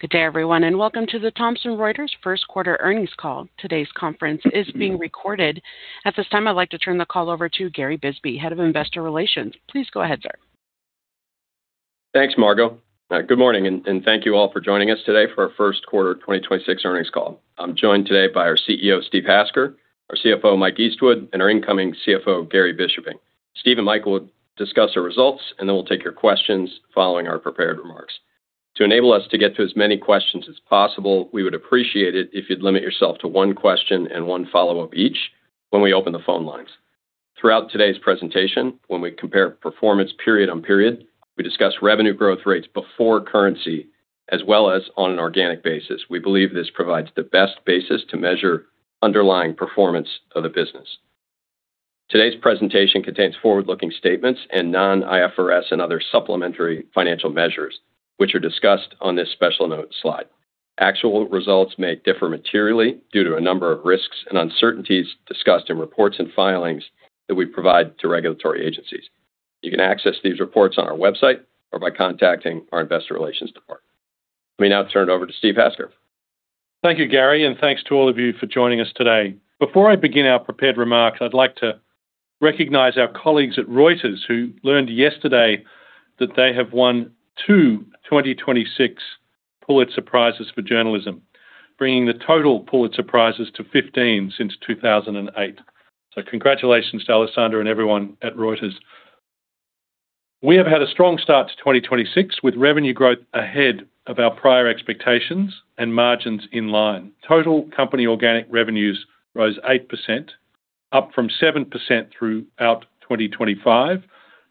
Good day everyone, welcome to the Thomson Reuters first quarter earnings call. Today's conference is being recorded. At this time, I'd like to turn the call over to Gary Bisbee, Head of Investor Relations. Please go ahead, sir. Thanks, Margo. Good morning, and thank you all for joining us today for our first quarter 2026 earnings call. I'm joined today by our CEO, Steve Hasker, our CFO, Mike Eastwood, and our incoming CFO, Gary Bischoping. Steve and Mike will discuss our results. Then we'll take your questions following our prepared remarks. To enable us to get to as many questions as possible, we would appreciate it if you'd limit yourself to one question andone follow-up each when we open the phone lines. Throughout today's presentation, when we compare performance period on period, we discuss revenue growth rates before currency as well as on an organic basis. We believe this provides the best basis to measure underlying performance of the business. Today's presentation contains forward-looking statements and non-IFRS and other supplementary financial measures, which are discussed on this special note slide. Actual results may differ materially due to a number of risks and uncertainties discussed in reports and filings that we provide to regulatory agencies. You can access these reports on our website or by contacting our investor relations department. Let me now turn it over to Steve Hasker. Thank you, Gary, and thanks to all of you for joining us today. Before I begin our prepared remarks, I'd like to recognize our colleagues at Reuters, who learned yesterday that they have won two 2026 Pulitzer Prizes for journalism, bringing the total Pulitzer Prizes to 15 since 2008. Congratulations to Alessandra and everyone at Reuters. We have had a strong start to 2026, with revenue growth ahead of our prior expectations and margins in line. Total company organic revenues rose 8%, up from 7% throughout 2025,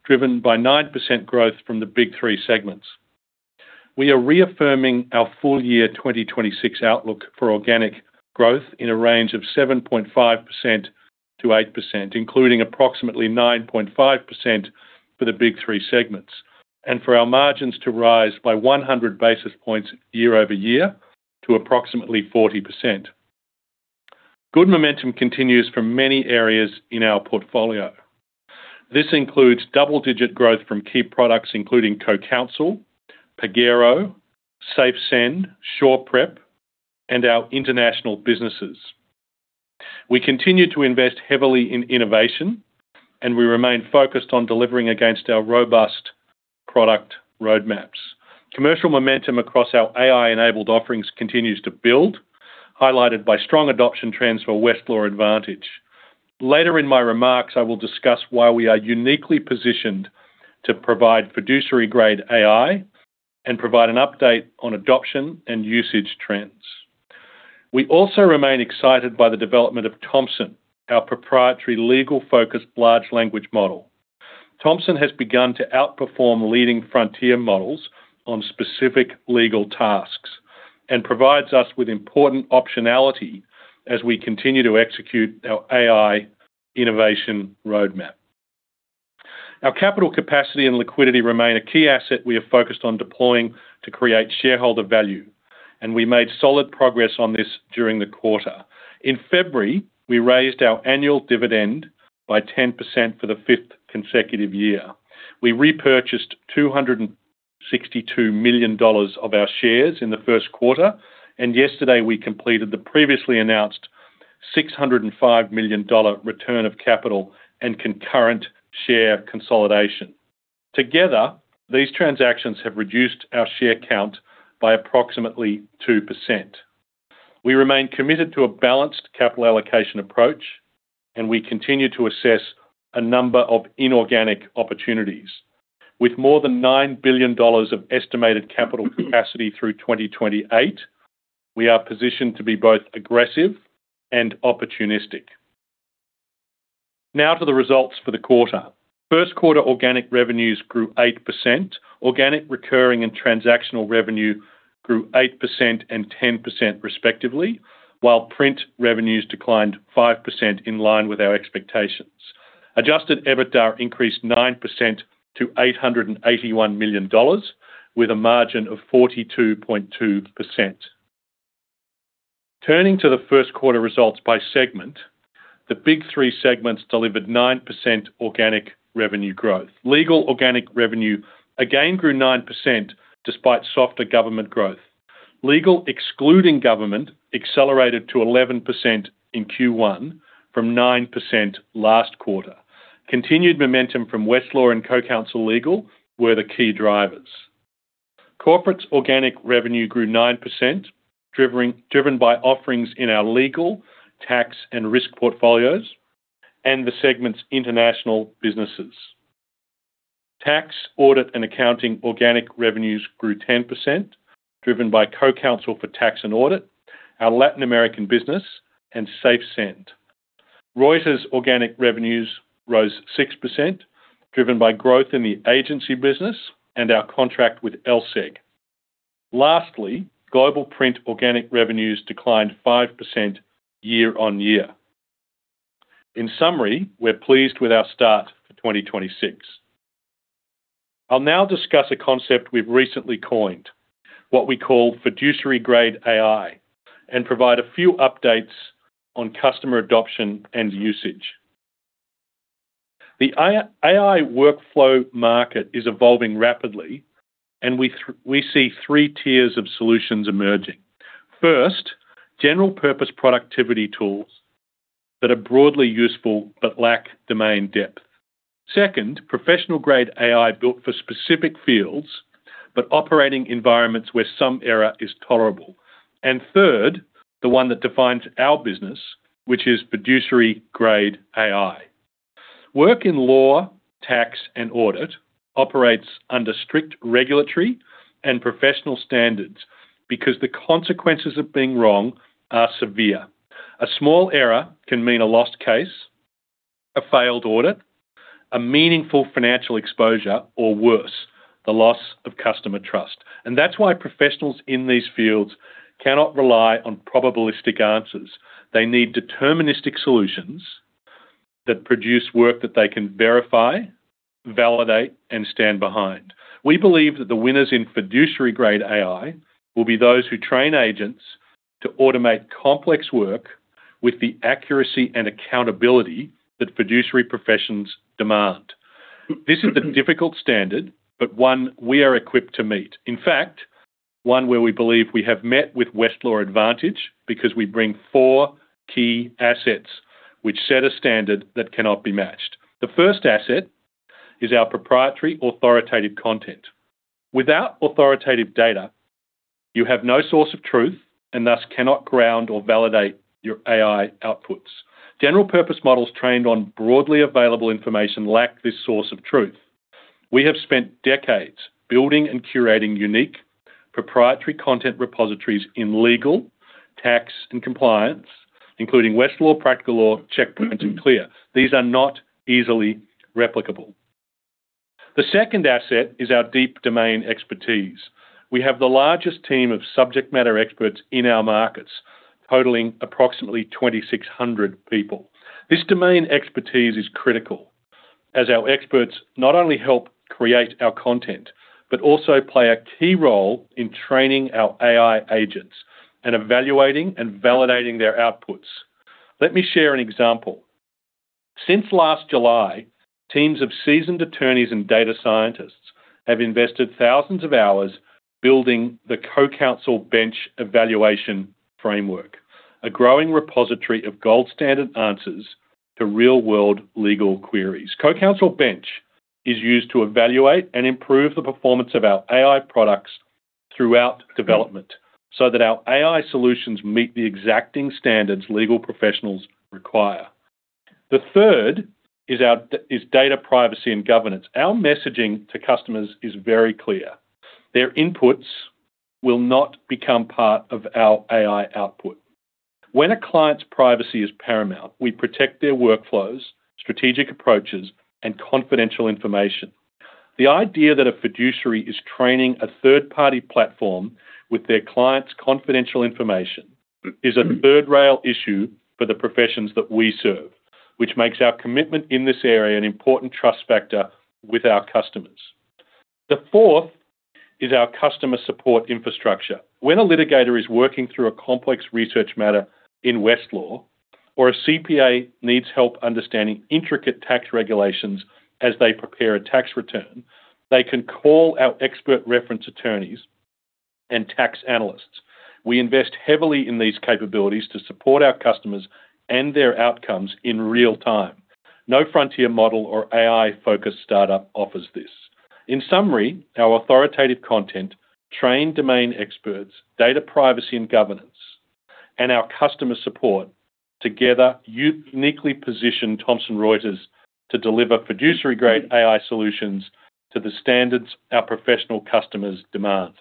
driven by 9% growth from the Big Three segments. We are reaffirming our full year 2026 outlook for organic growth in a range of 7.5%-8%, including approximately 9.5% for the Big Three segments, and for our margins to rise by 100 basis points year-over-year to approximately 40%. Good momentum continues from many areas in our portfolio. This includes double-digit growth from key products including CoCounsel, Pagero, SafeSend, SurePrep, and our international businesses. We continue to invest heavily in innovation, and we remain focused on delivering against our robust product roadmaps. Commercial momentum across our AI-enabled offerings continues to build, highlighted by strong adoption trends for Westlaw Advantage. Later in my remarks, I will discuss why we are uniquely positioned to provide fiduciary grade AI and provide an update on adoption and usage trends. We also remain excited by the development of Thomson, our proprietary legal-focused large language model. Thomson has begun to outperform leading frontier models on specific legal tasks and provides us with important optionality as we continue to execute our AI innovation roadmap. Our capital capacity and liquidity remain a key asset we have focused on deploying to create shareholder value. We made solid progress on this during the quarter. In February, we raised our annual dividend by 10% for the fifth consecutive year. We repurchased $262 million of our shares in the first quarter. Yesterday, we completed the previously announced $605 million return of capital and concurrent share consolidation. Together, these transactions have reduced our share count by approximately 2%. We remain committed to a balanced capital allocation approach. We continue to assess a number of inorganic opportunities. With more than $9 billion of estimated capital capacity through 2028, we are positioned to be both aggressive and opportunistic. To the results for the quarter. First quarter organic revenues grew 8%. Organic recurring and transactional revenue grew 8% and 10% respectively, while print revenues declined 5% in line with our expectations. Adjusted EBITDA increased 9% to $881 million with a margin of 42.2%. Turning to the first quarter results by segment, the Big Three segments delivered 9% organic revenue growth. Legal organic revenue again grew 9% despite softer government growth. Legal, excluding government, accelerated to 11% in Q1 from 9% last quarter. Continued momentum from Westlaw and CoCounsel Legal were the key drivers. Corporate organic revenue grew 9%, driven by offerings in our legal, tax, and risk portfolios and the segment's international businesses. Tax, audit, and accounting organic revenues grew 10%, driven by CoCounsel Tax and Audit, our Latin American business, and SafeSend. Reuters organic revenues rose 6%, driven by growth in the agency business and our contract with LSEG. Lastly, Global Print organic revenues declined 5% year-on-year. In summary, we're pleased with our start for 2026. I'll now discuss a concept we've recently coined, what we call fiduciary grade AI, and provide a few updates on customer adoption and usage. The AI workflow market is evolving rapidly, we see three tiers of solutions emerging. First, general purpose productivity tools that are broadly useful but lack domain depth. Second, professional-grade AI built for specific fields, but operating environments where some error is tolerable. Third, the one that defines our business, which is fiduciary-grade AI. Work in law, tax, and audit operates under strict regulatory and professional standards because the consequences of being wrong are severe. A small error can mean a lost case, a failed audit, a meaningful financial exposure, or worse, the loss of customer trust. That's why professionals in these fields cannot rely on probabilistic answers. They need deterministic solutions that produce work that they can verify, validate, and stand behind. We believe that the winners in fiduciary-grade AI will be those who train agents to automate complex work with the accuracy and accountability that fiduciary professions demand. This is a difficult standard, but one we are equipped to meet. In fact, one where we believe we have met with Westlaw Advantage because we bring four key assets which set a standard that cannot be matched. The first asset is our proprietary authoritative content. Without authoritative data, you have no source of truth and thus cannot ground or validate your AI outputs. General purpose models trained on broadly available information lack this source of truth. We have spent decades building and curating unique proprietary content repositories in legal, tax, and compliance, including Westlaw, Practical Law, Checkpoint, and CLEAR. These are not easily replicable. The second asset is our deep domain expertise. We have the largest team of subject matter experts in our markets, totaling approximately 2,600 people. This domain expertise is critical as our experts not only help create our content, but also play a key role in training our AI agents and evaluating and validating their outputs. Let me share an example. Since last July, teams of seasoned attorneys and data scientists have invested thousands of hours building the CoCounsel Bench evaluation framework, a growing repository of gold standard answers to real-world legal queries. CoCounsel Bench is used to evaluate and improve the performance of our AI products throughout development so that our AI solutions meet the exacting standards legal professionals require. The third is our data privacy and governance. Our messaging to customers is very clear. Their inputs will not become part of our AI output. When a client's privacy is paramount, we protect their workflows, strategic approaches, and confidential information. The idea that a fiduciary is training a third-party platform with their client's confidential information is a third-rail issue for the professions that we serve, which makes our commitment in this area an important trust factor with our customers. The fourth is our customer support infrastructure. When a litigator is working through a complex research matter in Westlaw or a CPA needs help understanding intricate tax regulations as they prepare a tax return, they can call our expert reference attorneys and tax analysts. We invest heavily in these capabilities to support our customers and their outcomes in real time. No frontier model or AI-focused startup offers this. In summary, our authoritative content, trained domain experts, data privacy and governance, and our customer support together uniquely position Thomson Reuters to deliver fiduciary-grade AI solutions to the standards our professional customers demand.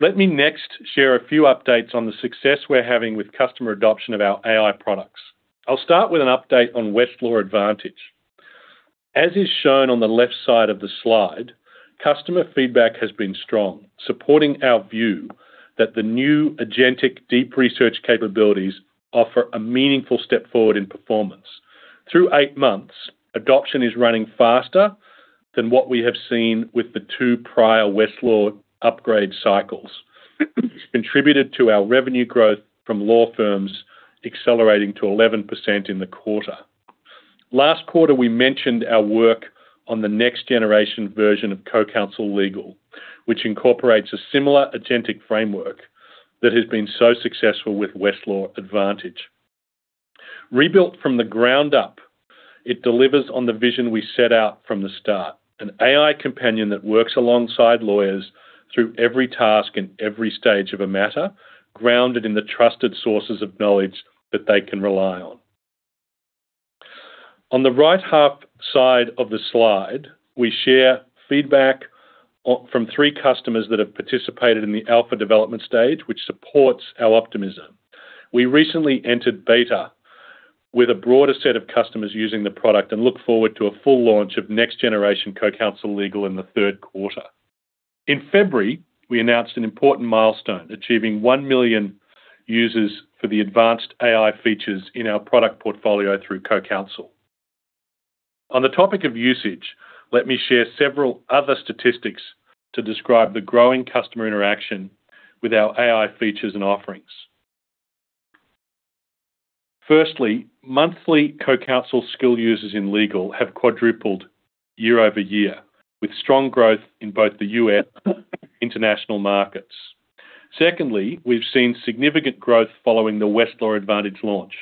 Let me next share a few updates on the success we're having with customer adoption of our AI products. I'll start with an update on Westlaw Advantage. As is shown on the left side of the slide, customer feedback has been strong, supporting our view that the new agentic deep research capabilities offer a meaningful step forward in performance. Through eight months, adoption is running faster than what we have seen with the two prior Westlaw upgrade cycles. Contributed to our revenue growth from law firms accelerating to 11% in the quarter. Last quarter, we mentioned our work on the next generation version of CoCounsel Legal, which incorporates a similar agentic framework that has been so successful with Westlaw Advantage. Rebuilt from the ground up, it delivers on the vision we set out from the start, an AI companion that works alongside lawyers through every task and every stage of a matter, grounded in the trusted sources of knowledge that they can rely on. On the right half side of the slide, we share feedback from three customers that have participated in the alpha development stage, which supports our optimism. We recently entered beta with a broader set of customers using the product and look forward to a full launch of next generation CoCounsel Legal in the third quarter. In February, we announced an important milestone, achieving 1 million users for the advanced AI features in our product portfolio through CoCounsel. On the topic of usage, let me share several other statistics to describe the growing customer interaction with our AI features and offerings. Firstly, monthly CoCounsel skill users in legal have quadrupled year-over-year, with strong growth in both the U.S. and international markets. Secondly, we've seen significant growth following the Westlaw Advantage launch,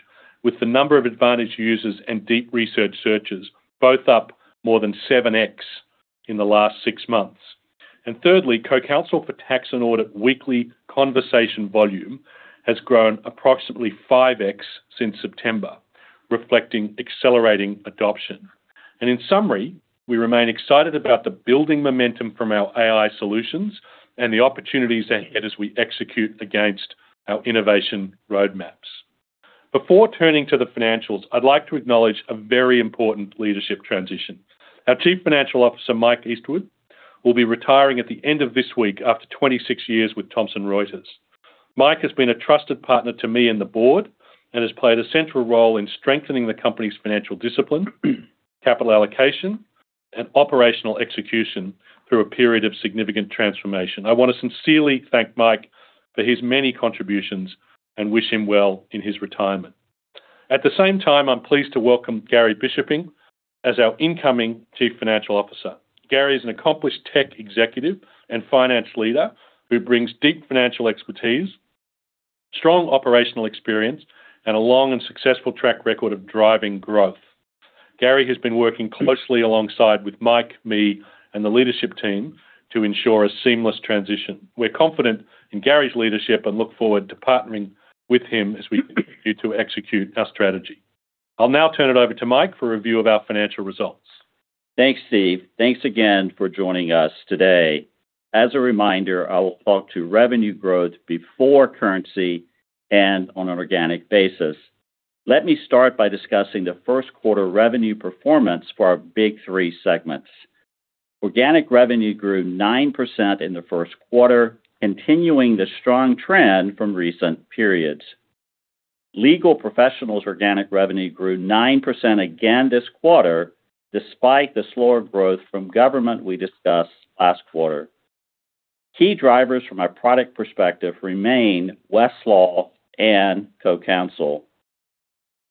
with the number of Advantage users and deep research searches both up more than 7x in the last six months. Thirdly, CoCounsel Tax and Audit weekly conversation volume has grown approximately 5x since September, reflecting accelerating adoption. In summary, we remain excited about the building momentum from our AI solutions and the opportunities ahead as we execute against our innovation roadmaps. Before turning to the financials, I'd like to acknowledge a very important leadership transition. Our Chief Financial Officer, Mike Eastwood, will be retiring at the end of this week after 26 years with Thomson Reuters. Mike has been a trusted partner to me and the board and has played a central role in strengthening the company's financial discipline, capital allocation, and operational execution through a period of significant transformation. I want to sincerely thank Mike for his many contributions and wish him well in his retirement. At the same time, I'm pleased to welcome Gary Bischoping as our incoming Chief Financial Officer. Gary is an accomplished tech executive and finance leader who brings deep financial expertise, strong operational experience, and a long and successful track record of driving growth. Gary has been working closely alongside with Mike, me, and the leadership team to ensure a seamless transition. We're confident in Gary's leadership and look forward to partnering with him as we continue to execute our strategy. I'll now turn it over to Mike for a review of our financial results. Thanks, Steve. Thanks again for joining us today. As a reminder, I will talk to revenue growth before currency and on an organic basis. Let me start by discussing the first quarter revenue performance for our Big Three segments. Organic revenue grew 9% in the first quarter, continuing the strong trend from recent periods. Legal Professionals' organic revenue grew 9% again this quarter, despite the slower growth from government we discussed last quarter. Key drivers from a product perspective remain Westlaw and CoCounsel.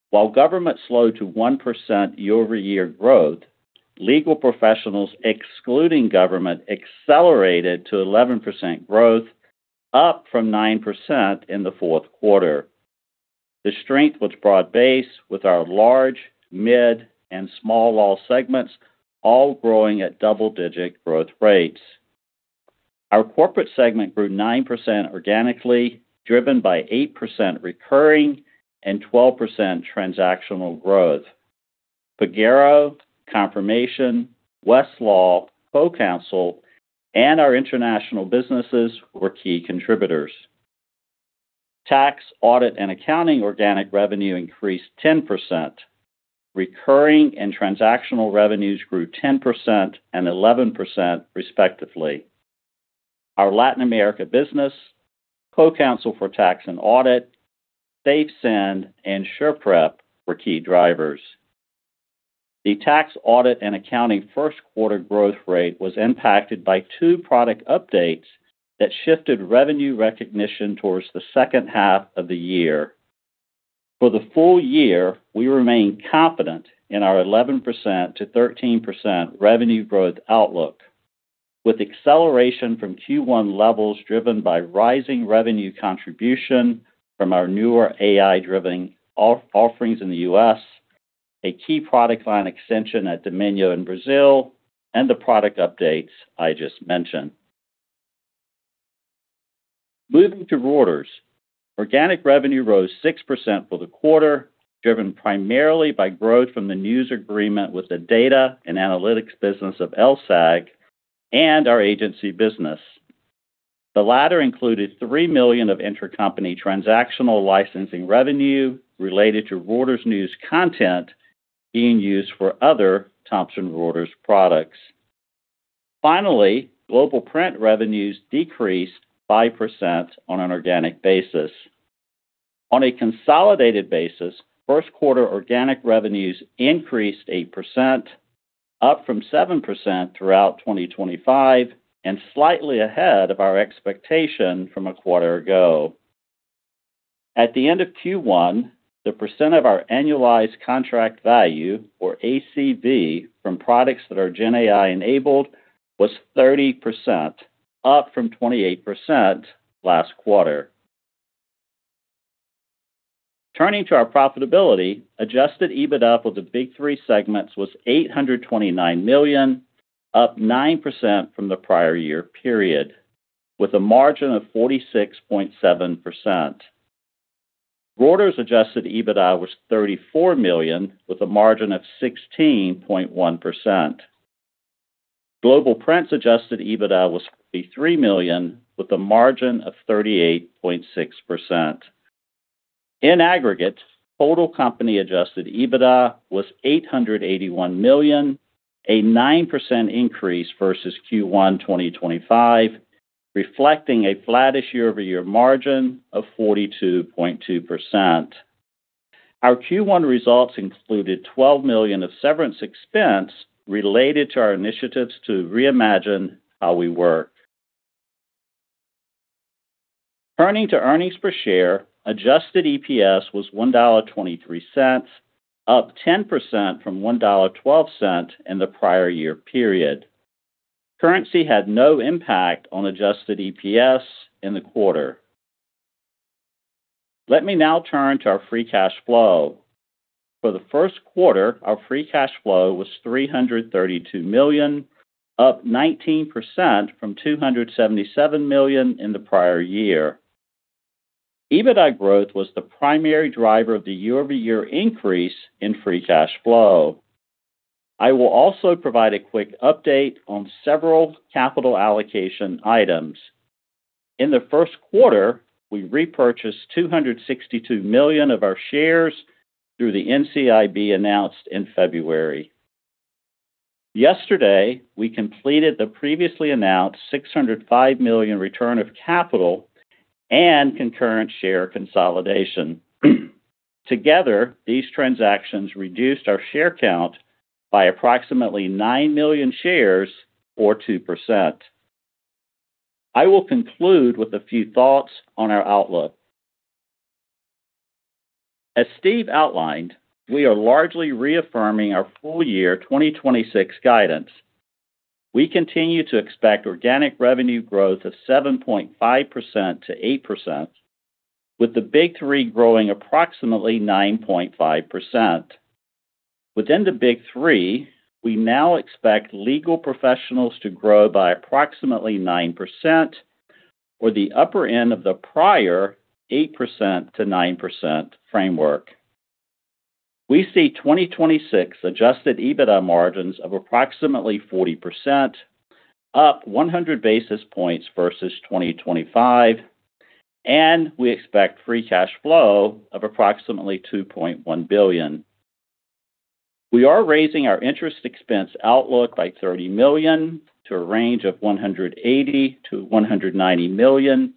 While government slowed to 1% year-over-year growth, Legal Professionals excluding government accelerated to 11% growth, up from 9% in the fourth quarter. The strength was broad-based, with our large, mid, and small law segments all growing at double-digit growth rates. Our corporate segment grew 9% organically, driven by 8% recurring and 12% transactional growth. Pagero, Confirmation, Westlaw, CoCounsel, and our international businesses were key contributors. Tax, Audit, and Accounting organic revenue increased 10%. Recurring and transactional revenues grew 10% and 11% respectively. Our Latin America business, CoCounsel for Tax and Audit, SafeSend, and SurePrep were key drivers. The Tax, Audit, and Accounting first quarter growth rate was impacted by two product updates that shifted revenue recognition towards the second half of the year. For the full year, we remain confident in our 11%-13% revenue growth outlook, with acceleration from Q1 levels driven by rising revenue contribution from our newer AI-driven offerings in the U.S., a key product line extension at Domínio in Brazil, and the product updates I just mentioned. Moving to Reuters, organic revenue rose 6% for the quarter, driven primarily by growth from the news agreement with the data and analytics business of LSEG and our agency business. The latter included $3 million of intercompany transactional licensing revenue related to Reuters news content being used for other Thomson Reuters products. Finally, Global Print revenues decreased 5% on an organic basis. On a consolidated basis, first quarter organic revenues increased 8%, up from 7% throughout 2025, and slightly ahead of our expectation from a quarter ago. At the end of Q1, the percent of our annualized contract value, or ACV, from products that are GenAI-enabled was 30%, up from 28% last quarter. Turning to our profitability, adjusted EBITDA for the Big Three segments was $829 million, up 9% from the prior year period, with a margin of 46.7%. Reuters' adjusted EBITDA was $34 million, with a margin of 16.1%. Global Print's adjusted EBITDA was $53 million, with a margin of 38.6%. In aggregate, total company adjusted EBITDA was $881 million, a 9% increase versus Q1 2025, reflecting a flat-ish year-over-year margin of 42.2%. Our Q1 results included $12 million of severance expense related to our initiatives to Reimagine How We Work. Turning to earnings per share, adjusted EPS was $1.23, up 10% from $1.12 in the prior year period. Currency had no impact on adjusted EPS in the quarter. Let me now turn to our free cash flow. For the first quarter, our free cash flow was $332 million, up 19% from $277 million in the prior year. EBITDA growth was the primary driver of the year-over-year increase in free cash flow. I will also provide a quick update on several capital allocation items. In the first quarter, we repurchased $262 million of our shares through the NCIB announced in February. Yesterday, we completed the previously announced $605 million return of capital and concurrent share consolidation. Together, these transactions reduced our share count by approximately 9 million shares or 2%. I will conclude with a few thoughts on our outlook. As Steve outlined, we are largely reaffirming our full year 2026 guidance. We continue to expect organic revenue growth of 7.5%-8%, with the Big Three growing approximately 9.5%. Within the Big Three, we now expect Legal Professionals to grow by approximately 9% or the upper end of the prior 8%-9% framework. We see 2026 adjusted EBITDA margins of approximately 40%, up 100 basis points versus 2025, and we expect free cash flow of approximately $2.1 billion. We are raising our interest expense outlook by $30 million to a range of $180 million-$190 million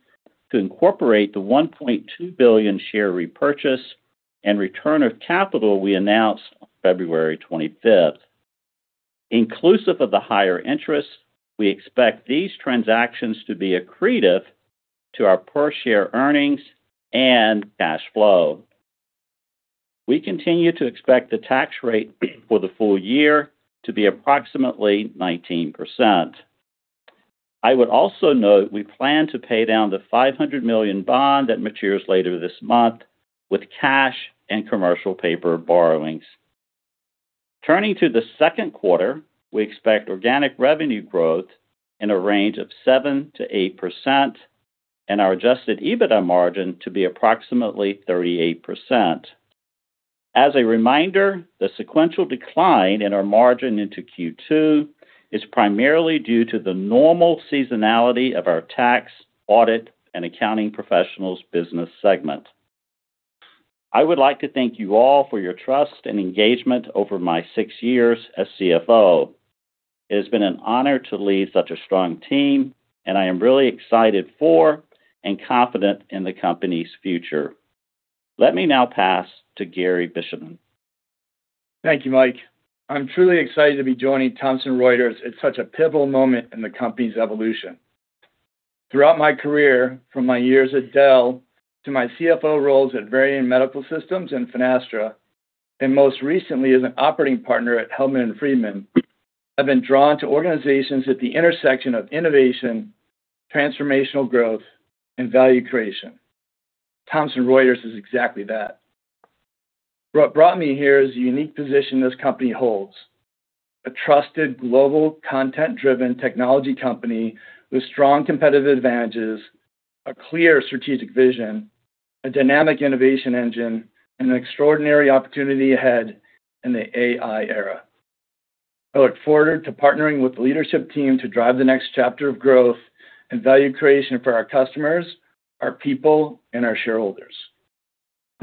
to incorporate the $1.2 billion share repurchase and return of capital we announced on February 25th. Inclusive of the higher interest, we expect these transactions to be accretive to our per share earnings and cash flow. We continue to expect the tax rate for the full year to be approximately 19%. I would also note we plan to pay down the $500 million bond that matures later this month with cash and commercial paper borrowings. Turning to the second quarter, we expect organic revenue growth in a range of 7%-8% and our adjusted EBITDA margin to be approximately 38%. As a reminder, the sequential decline in our margin into Q2 is primarily due to the normal seasonality of our Tax, Audit & Accounting Professionals business segment. I would like to thank you all for your trust and engagement over my six years as CFO. It has been an honor to lead such a strong team, and I am really excited for and confident in the company's future. Let me now pass to Gary Bischoping. Thank you, Mike. I'm truly excited to be joining Thomson Reuters at such a pivotal moment in the company's evolution. Throughout my career, from my years at Dell to my CFO roles at Varian Medical Systems and Finastra, and most recently as an operating partner at Hellman & Friedman, I've been drawn to organizations at the intersection of innovation, transformational growth, and value creation. Thomson Reuters is exactly that. What brought me here is the unique position this company holds, a trusted global content-driven technology company with strong competitive advantages, a clear strategic vision, a dynamic innovation engine, and an extraordinary opportunity ahead in the AI era. I look forward to partnering with the leadership team to drive the next chapter of growth and value creation for our customers, our people, and our shareholders.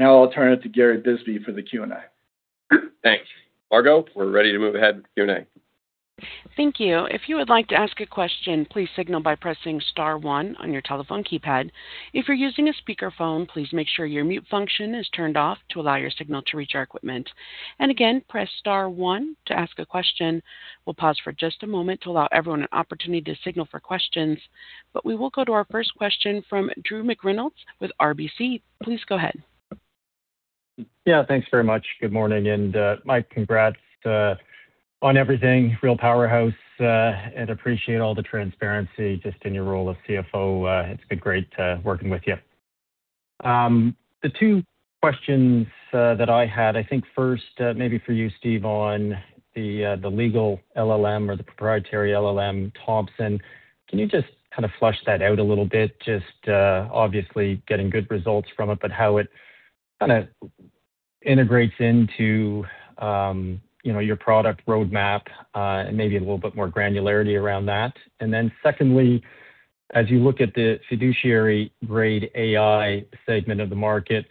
Now I'll turn it to Gary Bisbee for the Q&A. Thanks. Margo, we're ready to move ahead with Q&A. Thank you. If you would like to ask a question, please signal by pressing star one on your telephone keypad. If you're using a speakerphone, please make sure your mute function is turned off to allow your signal to reach our equipment. Again, press star one to ask a question. We'll pause for just a moment to allow everyone an opportunity to signal for questions. We will go to our first question from Drew McReynolds with RBC. Please go ahead. Yeah, thanks very much. Good morning. Mike, congrats on everything, real powerhouse, and appreciate all the transparency just in your role as CFO. It's been great working with you. The two questions that I had, I think first, maybe for you, Steve, on the legal LLM or the proprietary LLM Thomson, can you just kind of flush that out a little bit? Just, obviously getting good results from it, but how it kinda integrates into, you know, your product roadmap, and maybe a little bit more granularity around that. Secondly, as you look at the fiduciary grade AI segment of the market,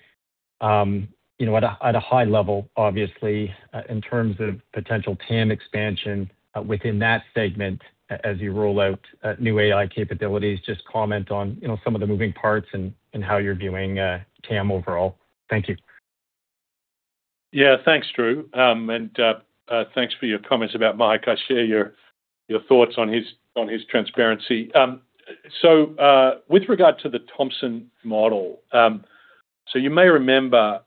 you know, at a high level, obviously, in terms of potential TAM expansion, within that segment as you roll out new AI capabilities, just comment on, you know, some of the moving parts and how you're viewing TAM overall. Thank you. Yeah. Thanks, Drew. Thanks for your comments about Mike. I share your thoughts on his transparency. With regard to the Thomson model, you may remember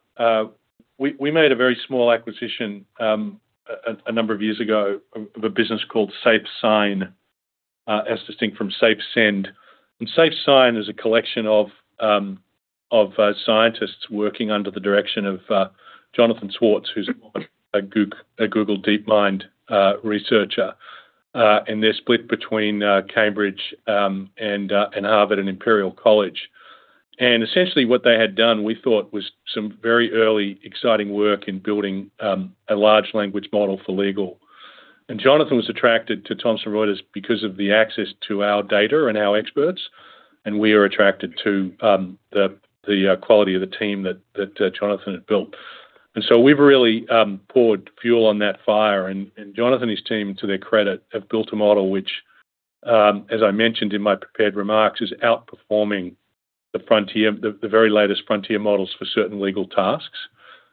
we made a very small acquisition a number of years ago of a business called SafeSign, as distinct from SafeSend. SafeSign is a collection of scientists working under the direction of Jonathan Swartz, who's a Google DeepMind researcher. They're split between Cambridge, and Harvard and Imperial College. Essentially what they had done, we thought was some very early exciting work in building a large language model for legal. Jonathan was attracted to Thomson Reuters because of the access to our data and our experts, and we are attracted to the quality of the team that Jonathan had built. We've really poured fuel on that fire and Jonathan and his team, to their credit, have built a model which, as I mentioned in my prepared remarks, is outperforming the frontier, the very latest frontier models for certain legal tasks.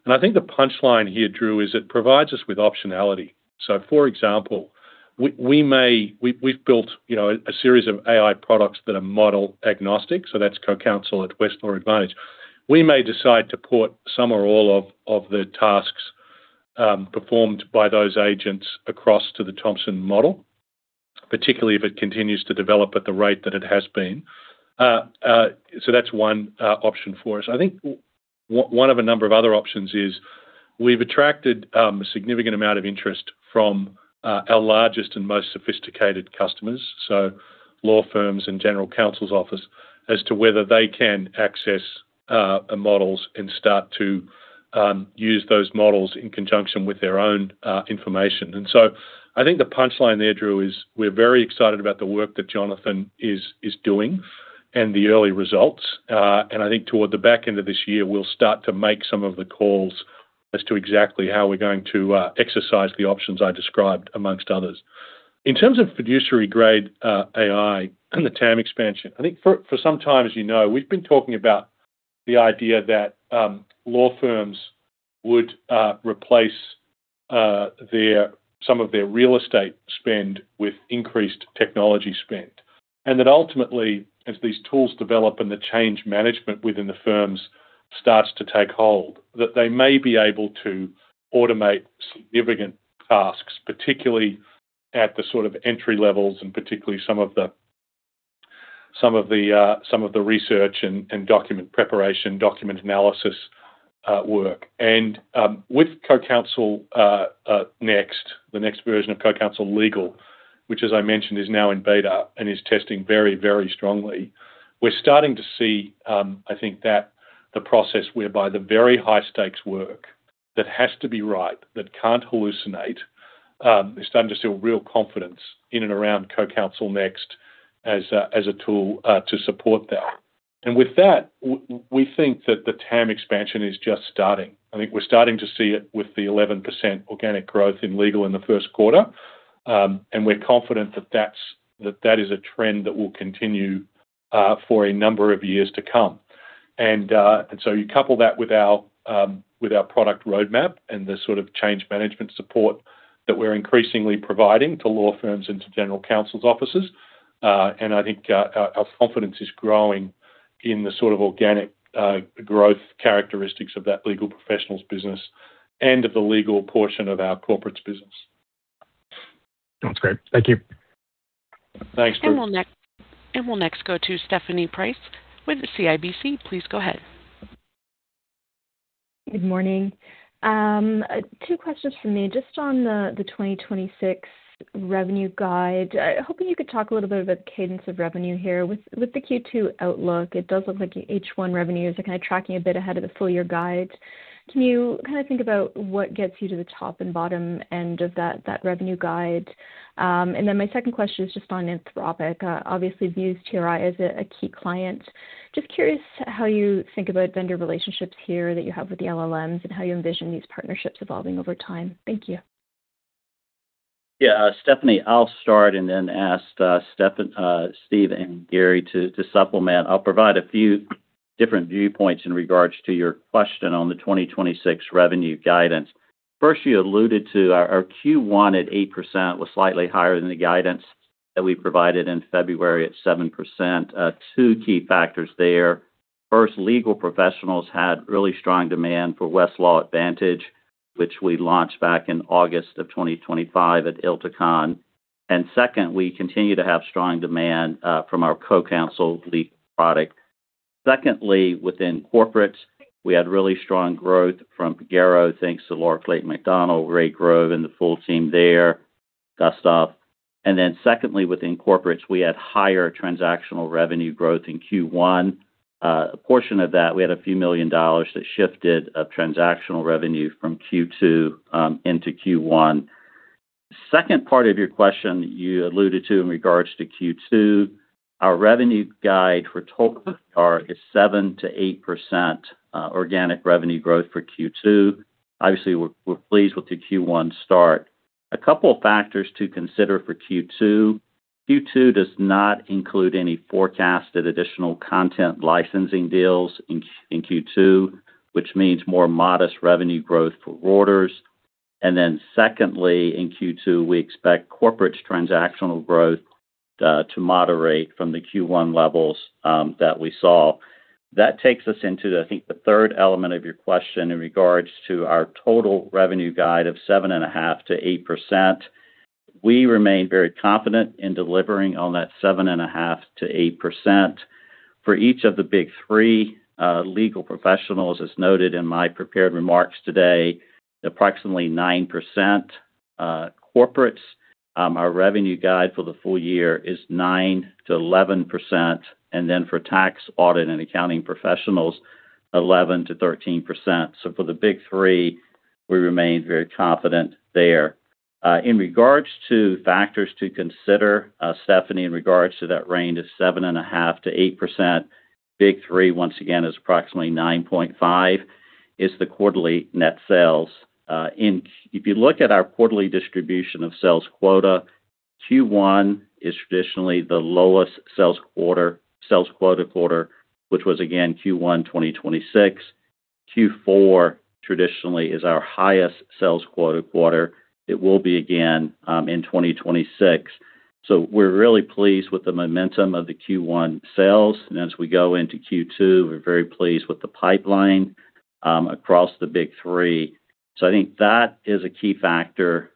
I think the punchline here, Drew, is it provides us with optionality. For example, we've built, you know, a series of AI products that are model agnostic, that's CoCounsel and Westlaw Advantage. We may decide to port some or all of the tasks performed by those agents across to the Thomson model, particularly if it continues to develop at the rate that it has been. That's one option for us. I think one of a number of other options is we've attracted a significant amount of interest from our largest and most sophisticated customers, so law firms and general counsel's office, as to whether they can access models and start to use those models in conjunction with their own information. I think the punchline there, Drew, is we're very excited about the work that Jonathan is doing and the early results. I think toward the back end of this year, we'll start to make some of the calls as to exactly how we're going to exercise the options I described amongst others. In terms of fiduciary grade AI and the TAM expansion, I think for some time, as you know, we've been talking about the idea that law firms would replace some of their real estate spend with increased technology spend. That ultimately, as these tools develop and the change management within the firms starts to take hold, that they may be able to automate significant tasks, particularly at the sort of entry levels and particularly some of the research and document preparation, document analysis work. With CoCounsel Next, the next version of CoCounsel Legal, which as I mentioned is now in beta and is testing very, very strongly. We're starting to see, I think that the process whereby the very high-stakes work that has to be right, that can't hallucinate, is starting to see a real confidence in and around CoCounsel Next as a tool to support that. With that, we think that the TAM expansion is just starting. I think we're starting to see it with the 11% organic growth in legal in the first quarter. We're confident that that is a trend that will continue for a number of years to come. You couple that with our product roadmap and the sort of change management support that we're increasingly providing to law firms and to general counsel's offices. I think our confidence is growing in the sort of organic growth characteristics of that Legal Professionals business and of the legal portion of our Corporates business. That's great. Thank you. Thanks, Drew. We'll next go to Stephanie Price with CIBC. Please go ahead. Good morning. Two questions from me. Just on the 2026 revenue guide, hoping you could talk a little bit about the cadence of revenue here. With the Q2 outlook, it does look like H1 revenues are kind of tracking a bit ahead of the full-year guide. Can you kind of think about what gets you to the top and bottom end of that revenue guide? My second question is just on Anthropic. Obviously, views TRI as a key client. Just curious how you think about vendor relationships here that you have with the LLMs and how you envision these partnerships evolving over time. Thank you. Yeah, Stephanie, I'll start and then ask Steve and Gary to supplement. I'll provide a few different viewpoints in regards to your question on the 2026 revenue guidance. First, you alluded to our Q1 at 8% was slightly higher than the guidance that we provided in February at 7%. Two key factors there. First, Legal Professionals had really strong demand for Westlaw Advantage, which we launched back in August of 2025 at ILTACON. Second, we continue to have strong demand from our CoCounsel Legal product. Secondly, within Corporates, we had really strong growth from Pagero thanks to Laura Flatt McDonald, Ray Grove, and the full team there, Gustav. Secondly, within Corporates, we had higher transactional revenue growth in Q1. A portion of that, we had a few million dollars that shifted of transactional revenue from Q2 into Q1. Second part of your question you alluded to in regards to Q2. Our revenue guide for total CR is 7%-8% organic revenue growth for Q2. Obviously, we're pleased with the Q1 start. A couple of factors to consider for Q2. Q2 does not include any forecasted additional content licensing deals in Q2, which means more modest revenue growth for Reuters. Secondly, in Q2, we expect corporate transactional growth to moderate from the Q1 levels that we saw. That takes us into, I think, the third element of your question in regards to our total revenue guide of 7.5%-8%. We remain very confident in delivering on that 7.5%-8%. For each of the Big Three, Legal Professionals, as noted in my prepared remarks today, approximately 9%, Corporates. Our revenue guide for the full year is 9%-11%. For Tax, Audit & Accounting Professionals, 11%-13%. For the Big Three, we remain very confident there. In regards to factors to consider, Stephanie, in regards to that range of 7.5%-8%, Big Three, once again, is approximately 9.5, is the quarterly net sales. If you look at our quarterly distribution of sales quota, Q1 is traditionally the lowest sales quota quarter, which was again Q1, 2026. Q4 traditionally is our highest sales quota quarter. It will be again in 2026. We're really pleased with the momentum of the Q1 sales. As we go into Q2, we're very pleased with the pipeline across the Big Three. I think that is a key factor.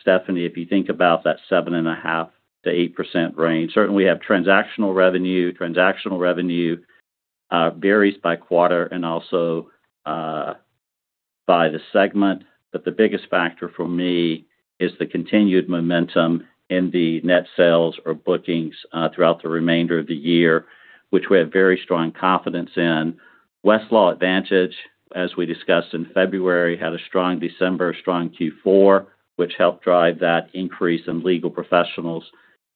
Stephanie, if you think about that 7.5%-8% range, certainly we have transactional revenue. Transactional revenue varies by quarter and also by the segment. The biggest factor for me is the continued momentum in the net sales or bookings throughout the remainder of the year, which we have very strong confidence in. Westlaw Advantage, as we discussed in February, had a strong December, strong Q4, which helped drive that increase in legal professionals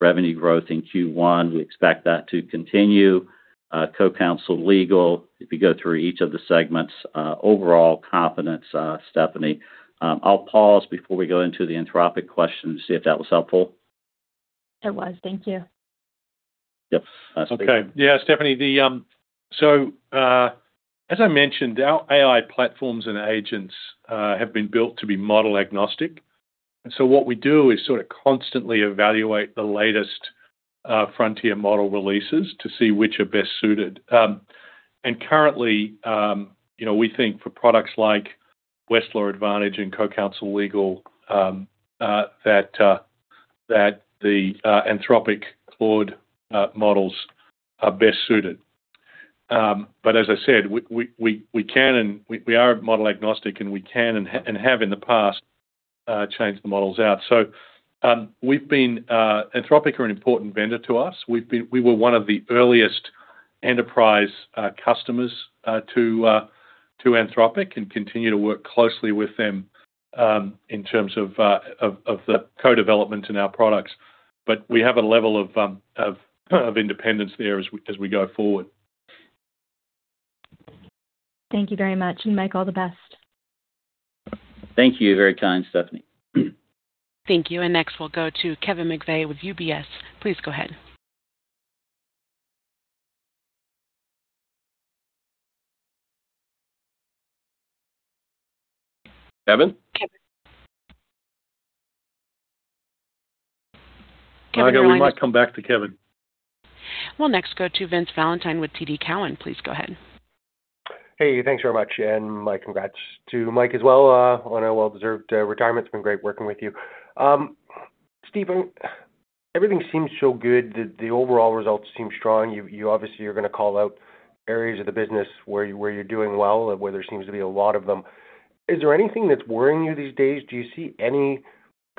revenue growth in Q1. We expect that to continue. CoCounsel Legal, if you go through each of the segments, overall confidence, Stephanie. I'll pause before we go into the Anthropic question to see if that was helpful. It was. Thank you. Yep. Steve. Okay. Yeah, Stephanie, the, as I mentioned, our AI platforms and agents have been built to be model agnostic. What we do is sort of constantly evaluate the latest frontier model releases to see which are best suited. And currently, you know, we think for products like Westlaw Advantage and CoCounsel Legal that the Anthropic Claude models are best suited. But as I said, we can and we are model agnostic, and we can and have in the past changed the models out. We've been Anthropic are an important vendor to us. We were one of the earliest enterprise customers to Anthropic and continue to work closely with them in terms of the co-development in our products. We have a level of independence there as we, as we go forward. Thank you very much. Mike, all the best. Thank you. You're very kind, Stephanie. Thank you. Next, we'll go to Kevin McVeigh with UBS. Please go ahead. Kevin? Kevin. Kevin, are you on? I think we might come back to Kevin. We'll next go to Vince Valentini with TD Cowen. Please go ahead. Hey, thanks very much. My congrats to Mike Eastwood as well, on a well-deserved retirement. It's been great working with you. Steve, everything seems so good. The overall results seem strong. You obviously are gonna call out areas of the business where you're doing well, where there seems to be a lot of them. Is there anything that's worrying you these days? Do you see any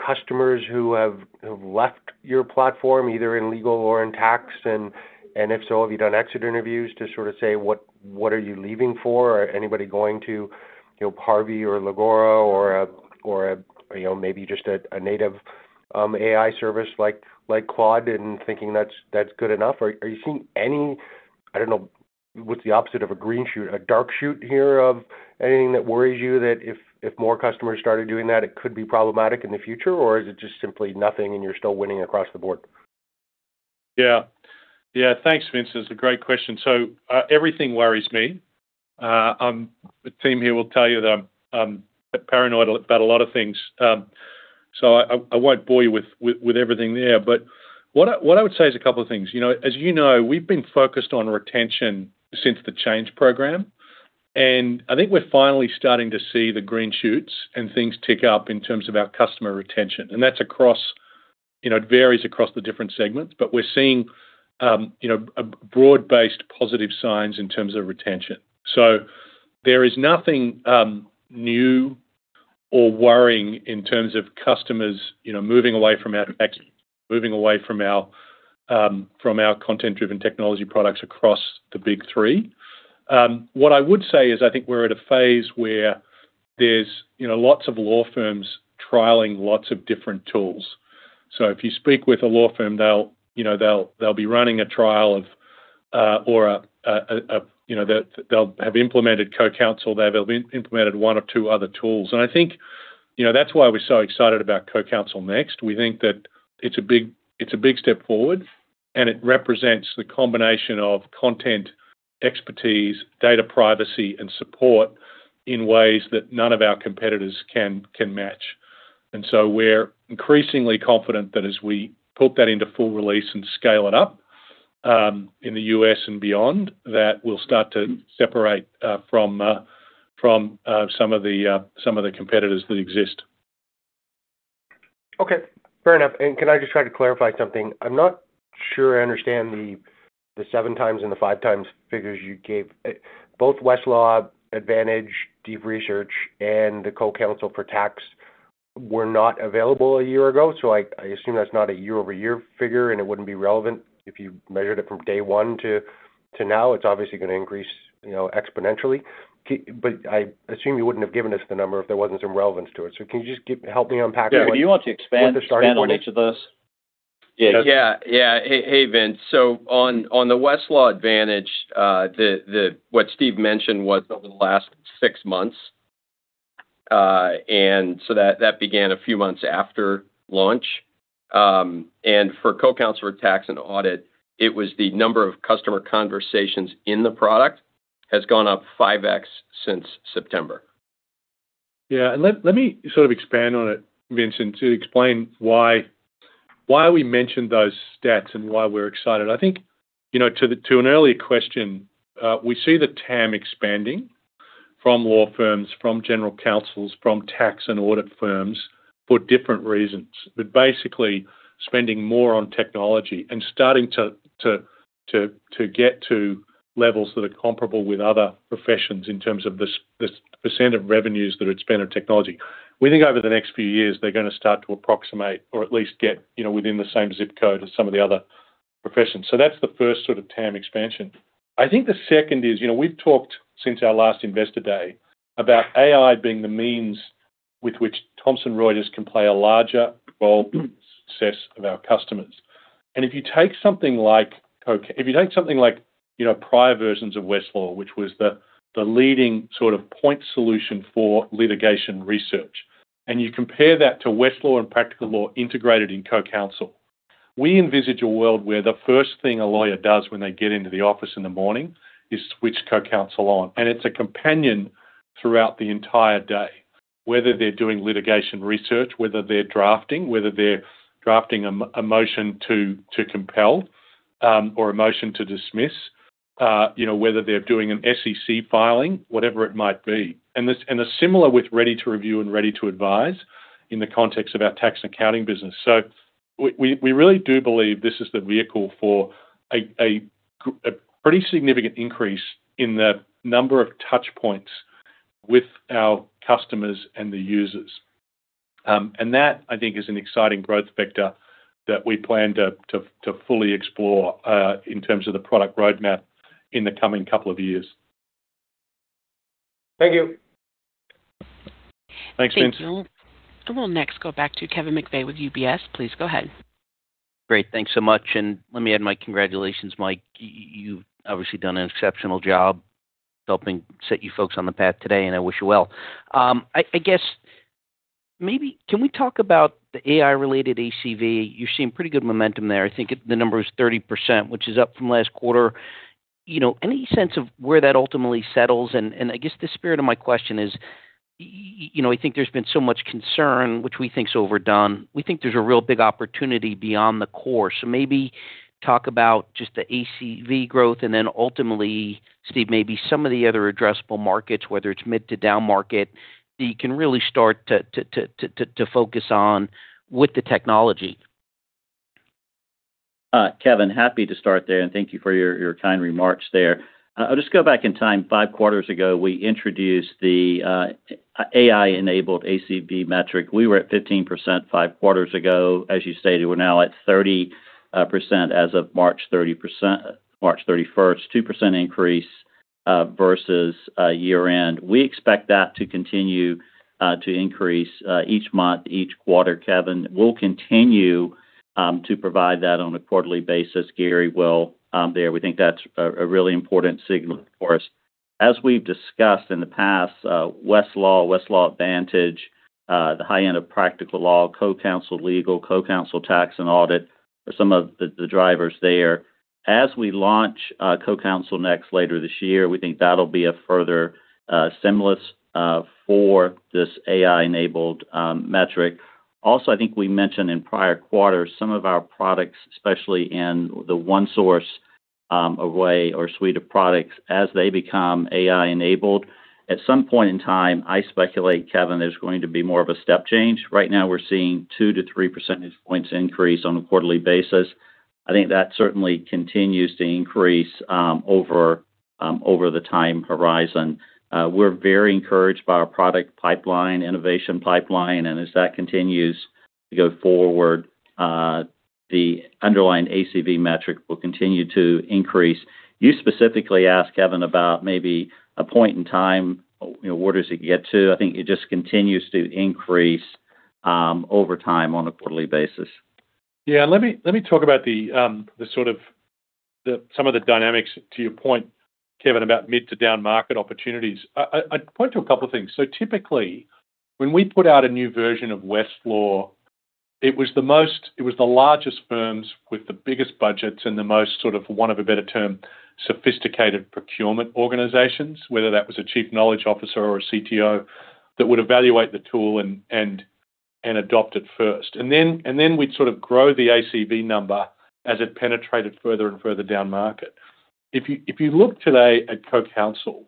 customers who have left your platform, either in legal or in tax? If so, have you done exit interviews to sort of say, what are you leaving for? Anybody going to, you know, [Parvee] or [LAWR.O] or a, you know, maybe just a native AI service like Claude and thinking that's good enough? Are you seeing any, I don't know, what's the opposite of a green shoot, a dark shoot here of anything that worries you that if more customers started doing that, it could be problematic in the future? Or is it just simply nothing and you're still winning across the board? Yeah. Thanks, Vince. That's a great question. Everything worries me. The team here will tell you that I'm paranoid about a lot of things. I won't bore you with everything there. What I would say is a couple of things. You know, as you know, we've been focused on retention since the change program, and I think we're finally starting to see the green shoots and things tick up in terms of our customer retention. That's across, you know, it varies across the different segments, but we're seeing, you know, a broad-based positive signs in terms of retention. There is nothing new or worrying in terms of customers, you know, moving away from our moving away from our from our content-driven technology products across the Big Three. What I would say is I think we're at a phase where there's, you know, lots of law firms trialing lots of different tools. If you speak with a law firm, they'll, you know, they'll be running a trial of or a, you know, they'll have implemented CoCounsel there, they'll have implemented one or two other tools. I think, you know, that's why we're so excited about CoCounsel next. We think that it's a big step forward, it represents the combination of content, expertise, data privacy and support in ways that none of our competitors can match. We're increasingly confident that as we put that into full release and scale it up, in the U.S. and beyond, that we'll start to separate from some of the competitors that exist. Okay. Fair enough. Can I just try to clarify something? I'm not sure I understand the 7x and the 5x figures you gave. Both Westlaw Advantage, Deep Research and the CoCounsel for Tax were not available a year ago, so I assume that's not a year-over-year figure, and it wouldn't be relevant if you measured it from day one to now. It's obviously gonna increase, you know, exponentially. I assume you wouldn't have given us the number if there wasn't some relevance to it. Can you just help me unpack it. Sure. Do you want to expand? What the starting point is. Expand on each of those? Yeah. Yeah. Hey, Vince. On the Westlaw Advantage, what Steve mentioned was over the last six months, that began a few months after launch. For CoCounsel for Tax and Audit, it was the number of customer conversations in the product has gone up 5x since September. Let me sort of expand on it, Vincent, to explain why we mentioned those stats and why we're excited. I think, you know, to an earlier question, we see the TAM expanding from law firms, from general counsels, from tax and audit firms for different reasons. Basically spending more on technology and starting to get to levels that are comparable with other professions in terms of the % of revenues that are spent on technology. We think over the next few years, they're gonna start to approximate or at least get, you know, within the same zip code as some of the other professions. That's the first sort of TAM expansion. I think the second is, you know, we've talked since our last investor day about AI being the means with which Thomson Reuters can play a larger role in success of our customers. If you take something like, you know, prior versions of Westlaw, which was the leading sort of point solution for litigation research, and you compare that to Westlaw and Practical Law integrated in CoCounsel. We envisage a world where the first thing a lawyer does when they get into the office in the morning is switch CoCounsel on, and it's a companion throughout the entire day, whether they're doing litigation research, whether they're drafting, whether they're drafting a motion to compel or a motion to dismiss, you know, whether they're doing an SEC filing, whatever it might be. They're similar with Ready to Review and Ready to Advise in the context of our tax and accounting business. We really do believe this is the vehicle for a pretty significant increase in the number of touch points with our customers and the users. That, I think, is an exciting growth vector that we plan to fully explore in terms of the product roadmap in the coming couple of years. Thank you. Thanks, Vince. Thank you. We'll next go back to Kevin McVeigh with UBS. Please go ahead. Great. Thanks so much. Let me add my congratulations, Mike. You've obviously done an exceptional job helping set you folks on the path today. I wish you well. I guess maybe can we talk about the AI-related ACV? You're seeing pretty good momentum there. I think the number is 30%, which is up from last quarter. You know, any sense of where that ultimately settles? I guess the spirit of my question is, you know, I think there's been so much concern, which we think is overdone. We think there's a real big opportunity beyond the core. Maybe talk about just the ACV growth and then ultimately, Steve, maybe some of the other addressable markets, whether it's mid to down market, that you can really start to focus on with the technology. Kevin, happy to start there, and thank you for your kind remarks there. I'll just go back in time. Five quarters ago, we introduced the AI-enabled ACV metric. We were at 15%, five quarters ago. As you stated, we're now at 30% as of March 31st, a 2% increase versus year-end. We expect that to continue to increase each month, each quarter, Kevin. We'll continue to provide that on a quarterly basis. Gary will there. We think that's a really important signal for us. As we've discussed in the past, Westlaw Advantage, the high-end of Practical Law, CoCounsel Legal, CoCounsel Tax and Audit are some of the drivers there. As we launch CoCounsel next, later this year, we think that'll be a further stimulus for this AI-enabled metric. Also, I think we mentioned in prior quarters, some of our products, especially in the ONESOURCE away or suite of products as they become AI-enabled. At some point in time, I speculate, Kevin, there's going to be more of a step change. Right now, we're seeing 2-3 percentage points increase on a quarterly basis. I think that certainly continues to increase over over the time horizon. We're very encouraged by our product pipeline, innovation pipeline, and as that continues to go forward, the underlying ACV metric will continue to increase. You specifically asked, Kevin, about maybe a point in time, you know, orders it can get to. I think it just continues to increase over time on a quarterly basis. Let me talk about the sort of some of the dynamics to your point, Kevin, about mid to down market opportunities. I'd point to a couple of things. Typically, when we put out a new version of Westlaw, it was the largest firms with the biggest budgets and the most sort of, want of a better term, sophisticated procurement organizations, whether that was a chief knowledge officer or a CTO, that would evaluate the tool and adopt it first. Then we'd sort of grow the ACV number as it penetrated further and further down market. If you look today at CoCounsel,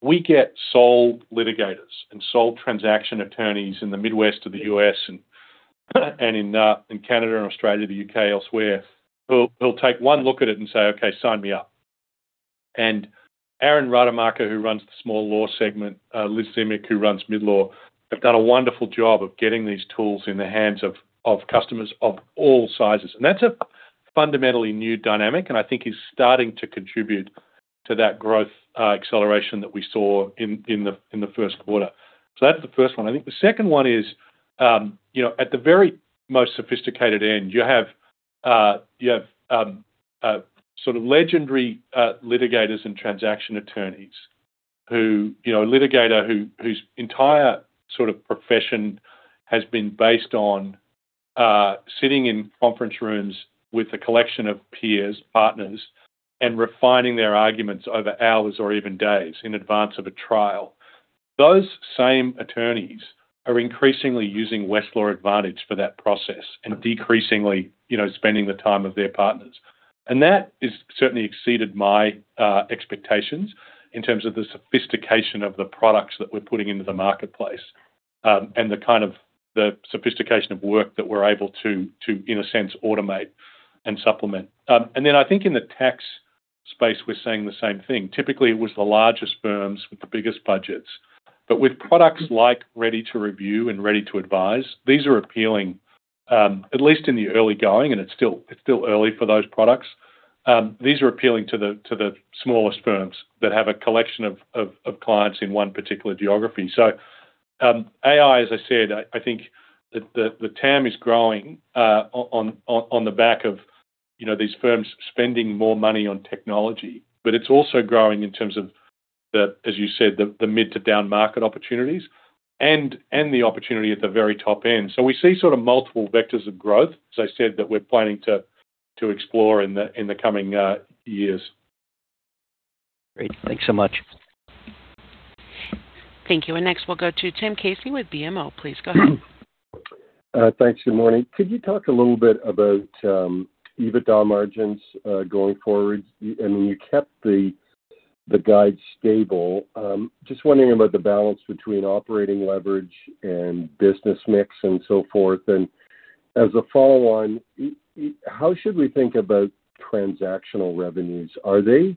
we get sole litigators and sole transaction attorneys in the Midwest of the U.S. and in Canada and Australia, the U.K., elsewhere, who will take one look at it and say, "Okay, sign me up." Aaron Rademacher, who runs the small law segment, Liz Zymek, who runs midlaw, have done a wonderful job of getting these tools in the hands of customers of all sizes. That's a fundamentally new dynamic, and I think is starting to contribute to that growth acceleration that we saw in the first quarter. That's the first one. I think the second one is, you know, at the very most sophisticated end, you have, you have, sort of legendary, litigators and transaction attorneys who, you know, a litigator whose entire sort of profession has been based on, sitting in conference rooms with a collection of peers, partners, and refining their arguments over hours or even days in advance of a trial. Those same attorneys are increasingly using Westlaw Advantage for that process and decreasingly, you know, spending the time of their partners. That has certainly exceeded my expectations in terms of the sophistication of the products that we're putting into the marketplace, and the kind of the sophistication of work that we're able to, in a sense, automate and supplement. Then I think in the tax space, we're seeing the same thing. Typically, it was the largest firms with the biggest budgets. With products like Ready to Review and Ready to Advise, these are appealing, at least in the early going, and it's still early for those products. These are appealing to the smallest firms that have a collection of clients in one particular geography. AI, as I said, I think the TAM is growing on the back of, you know, these firms spending more money on technology. It's also growing in terms of the, as you said, the mid to down market opportunities and the opportunity at the very top end. We see sort of multiple vectors of growth, as I said, that we're planning to explore in the coming years. Great. Thanks so much. Thank you. Next, we'll go to Tim Casey with BMO. Please go ahead. Thanks. Good morning. Could you talk a little bit about EBITDA margins going forward? I mean, you kept the guide stable. Just wondering about the balance between operating leverage and business mix and so forth. As a follow-on, how should we think about transactional revenues? Are they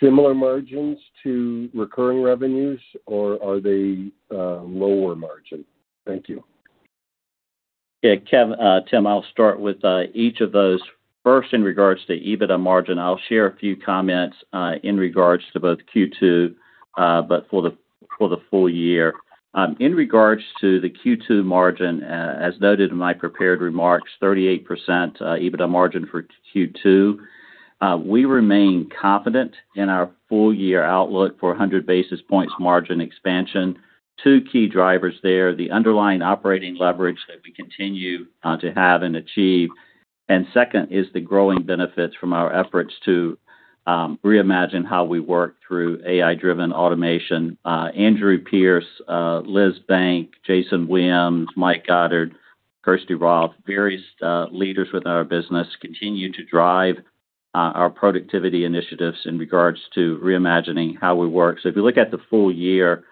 similar margins to recurring revenues, or are they lower margin? Thank you. Tim, I'll start with each of those. First, in regards to EBITDA margin, I'll share a few comments in regards to both Q2, but for the full-year. In regards to the Q2 margin, as noted in my prepared remarks, 38% EBITDA margin for Q2. We remain confident in our full-year outlook for 100 basis points margin expansion. Two key drivers there, the underlying operating leverage that we continue to have and achieve. Second is the growing benefits from our efforts to Reimagine How We Work through AI-driven automation. Andrew Pearce, Liz Banks, Jason Williams, Mike Goddard, Kirsty Roth, various leaders within our business continue to drive our productivity initiatives in regards to Reimagine How We Work. If you look at the full year,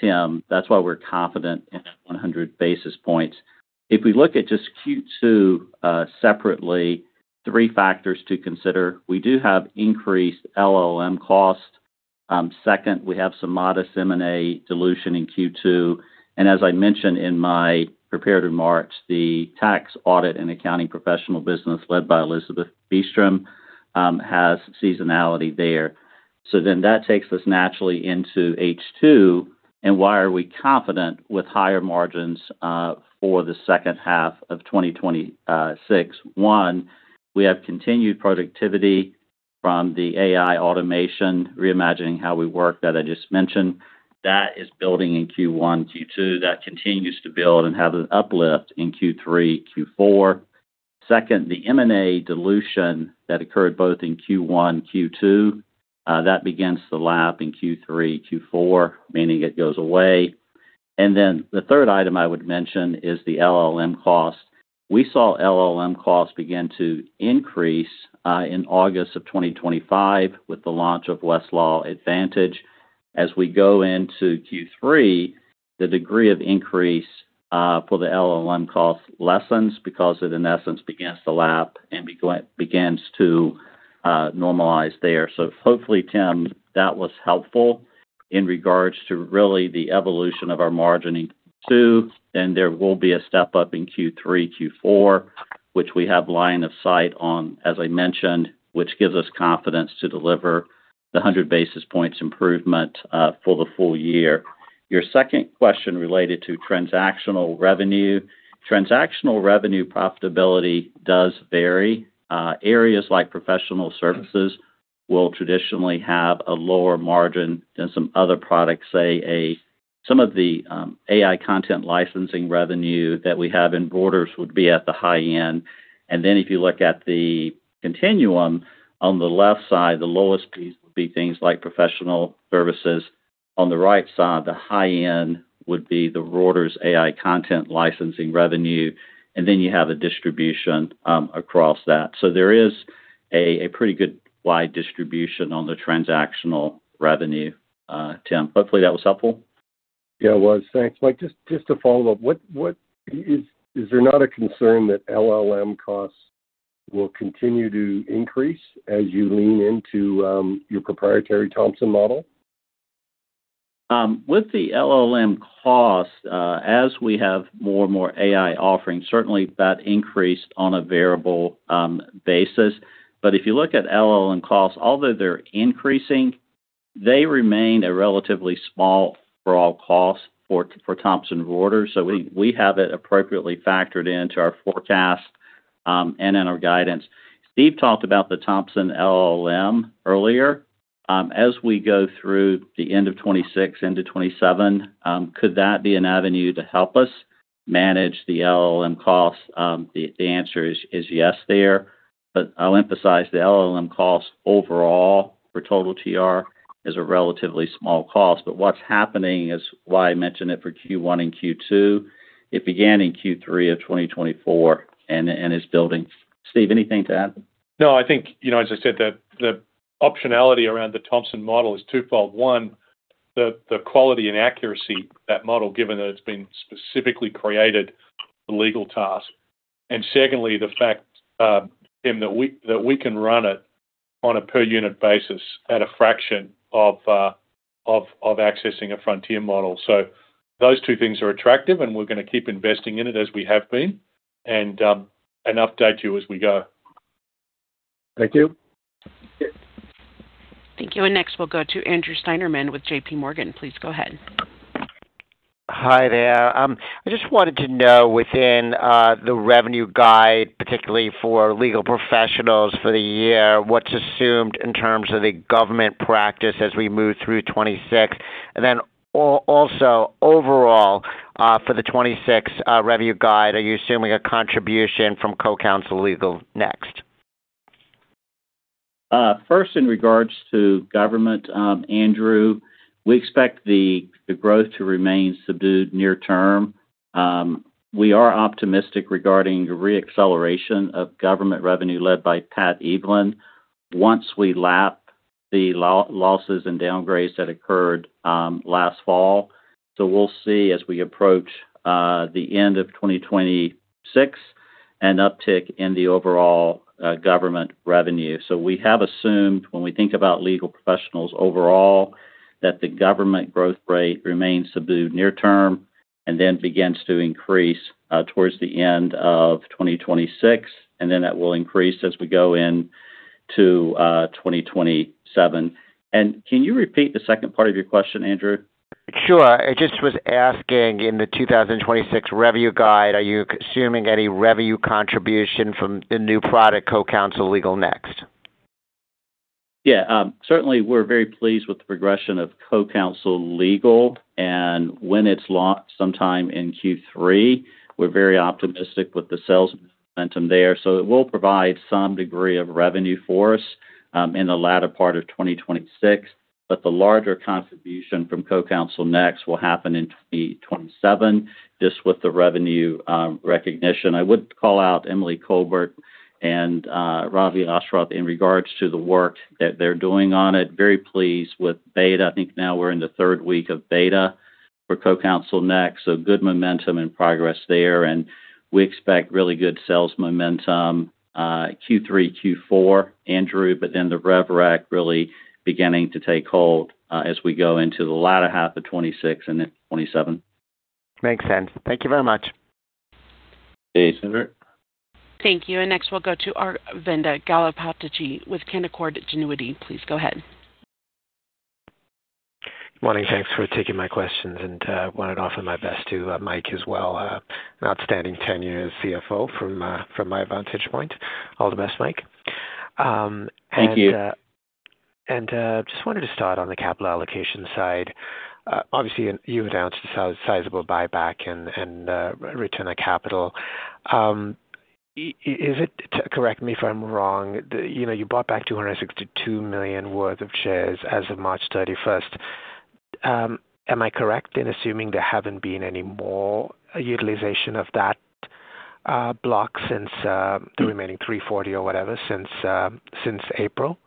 Tim, that's why we're confident in that 100 basis points. If we look at just Q2, separately, three factors to consider. We do have increased LLM costs. Second, we have some modest M&A dilution in Q2. As I mentioned in my prepared remarks, the Tax, Audit & Accounting Professionals business led by Elizabeth Beastrom, has seasonality there. That takes us naturally into H2. Why are we confident with higher margins for the second half of 2026? One, we have continued productivity from the AI automation, Reimagine How We Work that I just mentioned. That is building in Q1, Q2. That continues to build and have an uplift in Q3, Q4. Second, the M&A dilution that occurred both in Q1, Q2, that begins to lap in Q3, Q4, meaning it goes away. The third item I would mention is the LLM cost. We saw LLM costs begin to increase in August of 2025 with the launch of Westlaw Advantage. As we go into Q3, the degree of increase for the LLM cost lessens because it, in essence, begins to lap and begins to normalize there. Hopefully, Tim, that was helpful in regards to really the evolution of our margin in Q2, and there will be a step-up in Q3, Q4, which we have line of sight on, as I mentioned, which gives us confidence to deliver the 100 basis points improvement for the full year. Your second question related to transactional revenue. Transactional revenue profitability does vary. Areas like professional services will traditionally have a lower margin than some other products, say some of the AI content licensing revenue that we have in Reuters would be at the high end. If you look at the continuum on the left side, the lowest piece would be things like professional services. On the right side, the high end would be the Reuters AI content licensing revenue, you have a distribution across that. There is a pretty good wide distribution on the transactional revenue, Tim. Hopefully, that was helpful. Yeah, it was. Thanks, Mike. Just to follow up. Is there not a concern that LLM costs will continue to increase as you lean into your proprietary Thomson model? With the LLM cost, as we have more and more AI offerings, certainly that increased on a variable basis. If you look at LLM costs, although they're increasing, they remain a relatively small overall cost for Thomson Reuters. We have it appropriately factored into our forecast and in our guidance. Steve talked about the Thomson LLM earlier. As we go through the end of 2026 into 2027, could that be an avenue to help us manage the LLM costs? The answer is yes there, but I'll emphasize the LLM costs overall for total TR is a relatively small cost. What's happening is why I mentioned it for Q1 and Q2. It began in Q3 of 2024 and is building. Steve, anything to add? No, I think, you know, as I said, the optionality around the Thomson model is twofold. One, the quality and accuracy of that model, given that it's been specifically created for legal tasks. Secondly, the fact, Tim, that we can run it on a per unit basis at a fraction of accessing a frontier model. Those two things are attractive, and we're gonna keep investing in it as we have been and update you as we go. Thank you. Yeah. Thank you. Next, we'll go to Andrew Steinerman with JPMorgan. Please go ahead. Hi there. I just wanted to know within the revenue guide, particularly for legal professionals for the year, what's assumed in terms of the government practice as we move through 2026. Also, overall, for the 2026 revenue guide, are you assuming a contribution from CoCounsel Legal next? First, in regards to government, Andrew, we expect the growth to remain subdued near term. We are optimistic regarding the reacceleration of government revenue led by Pat Eveland once we lap the losses and downgrades that occurred last fall. We'll see as we approach the end of 2026, an uptick in the overall government revenue. We have assumed when we think about legal professionals overall, that the government growth rate remains subdued near term and then begins to increase towards the end of 2026, and then that will increase as we go into 2027. Can you repeat the second part of your question, Andrew? Sure. I just was asking, in the 2026 revenue guide, are you assuming any revenue contribution from the new product, CoCounsel Legal next? Certainly, we're very pleased with the progression of CoCounsel Legal and when it's launched sometime in Q3. We're very optimistic with the sales momentum there. It will provide some degree of revenue for us in the latter part of 2026, but the larger contribution from CoCounsel next will happen in 2027, just with the revenue recognition. I would call out Emily Colbert and Rawia Ashraf in regards to the work that they're doing on it. Very pleased with beta. I think now we're in the 3rd week of beta for CoCounsel next. Good momentum and progress there. We expect really good sales momentum Q3, Q4, Andrew. The rev rec really beginning to take hold as we go into the latter half of 2026 and then 2027. Makes sense. Thank you very much. Thanks, Andrew. Thank you. Next, we'll go to Aravinda Galappatthige with Canaccord Genuity. Please go ahead. Morning. Thanks for taking my questions, and wanted to offer my best to Mike as well. An outstanding tenure as CFO from my vantage point. All the best, Mike. Thank you. Just wanted to start on the capital allocation side. Obviously you announced a sizable buyback and return of capital. Correct me if I'm wrong. You know, you bought back $262 million worth of shares as of March 31st. Am I correct in assuming there haven't been any more utilization of that block since the remaining $340 or whatever since April?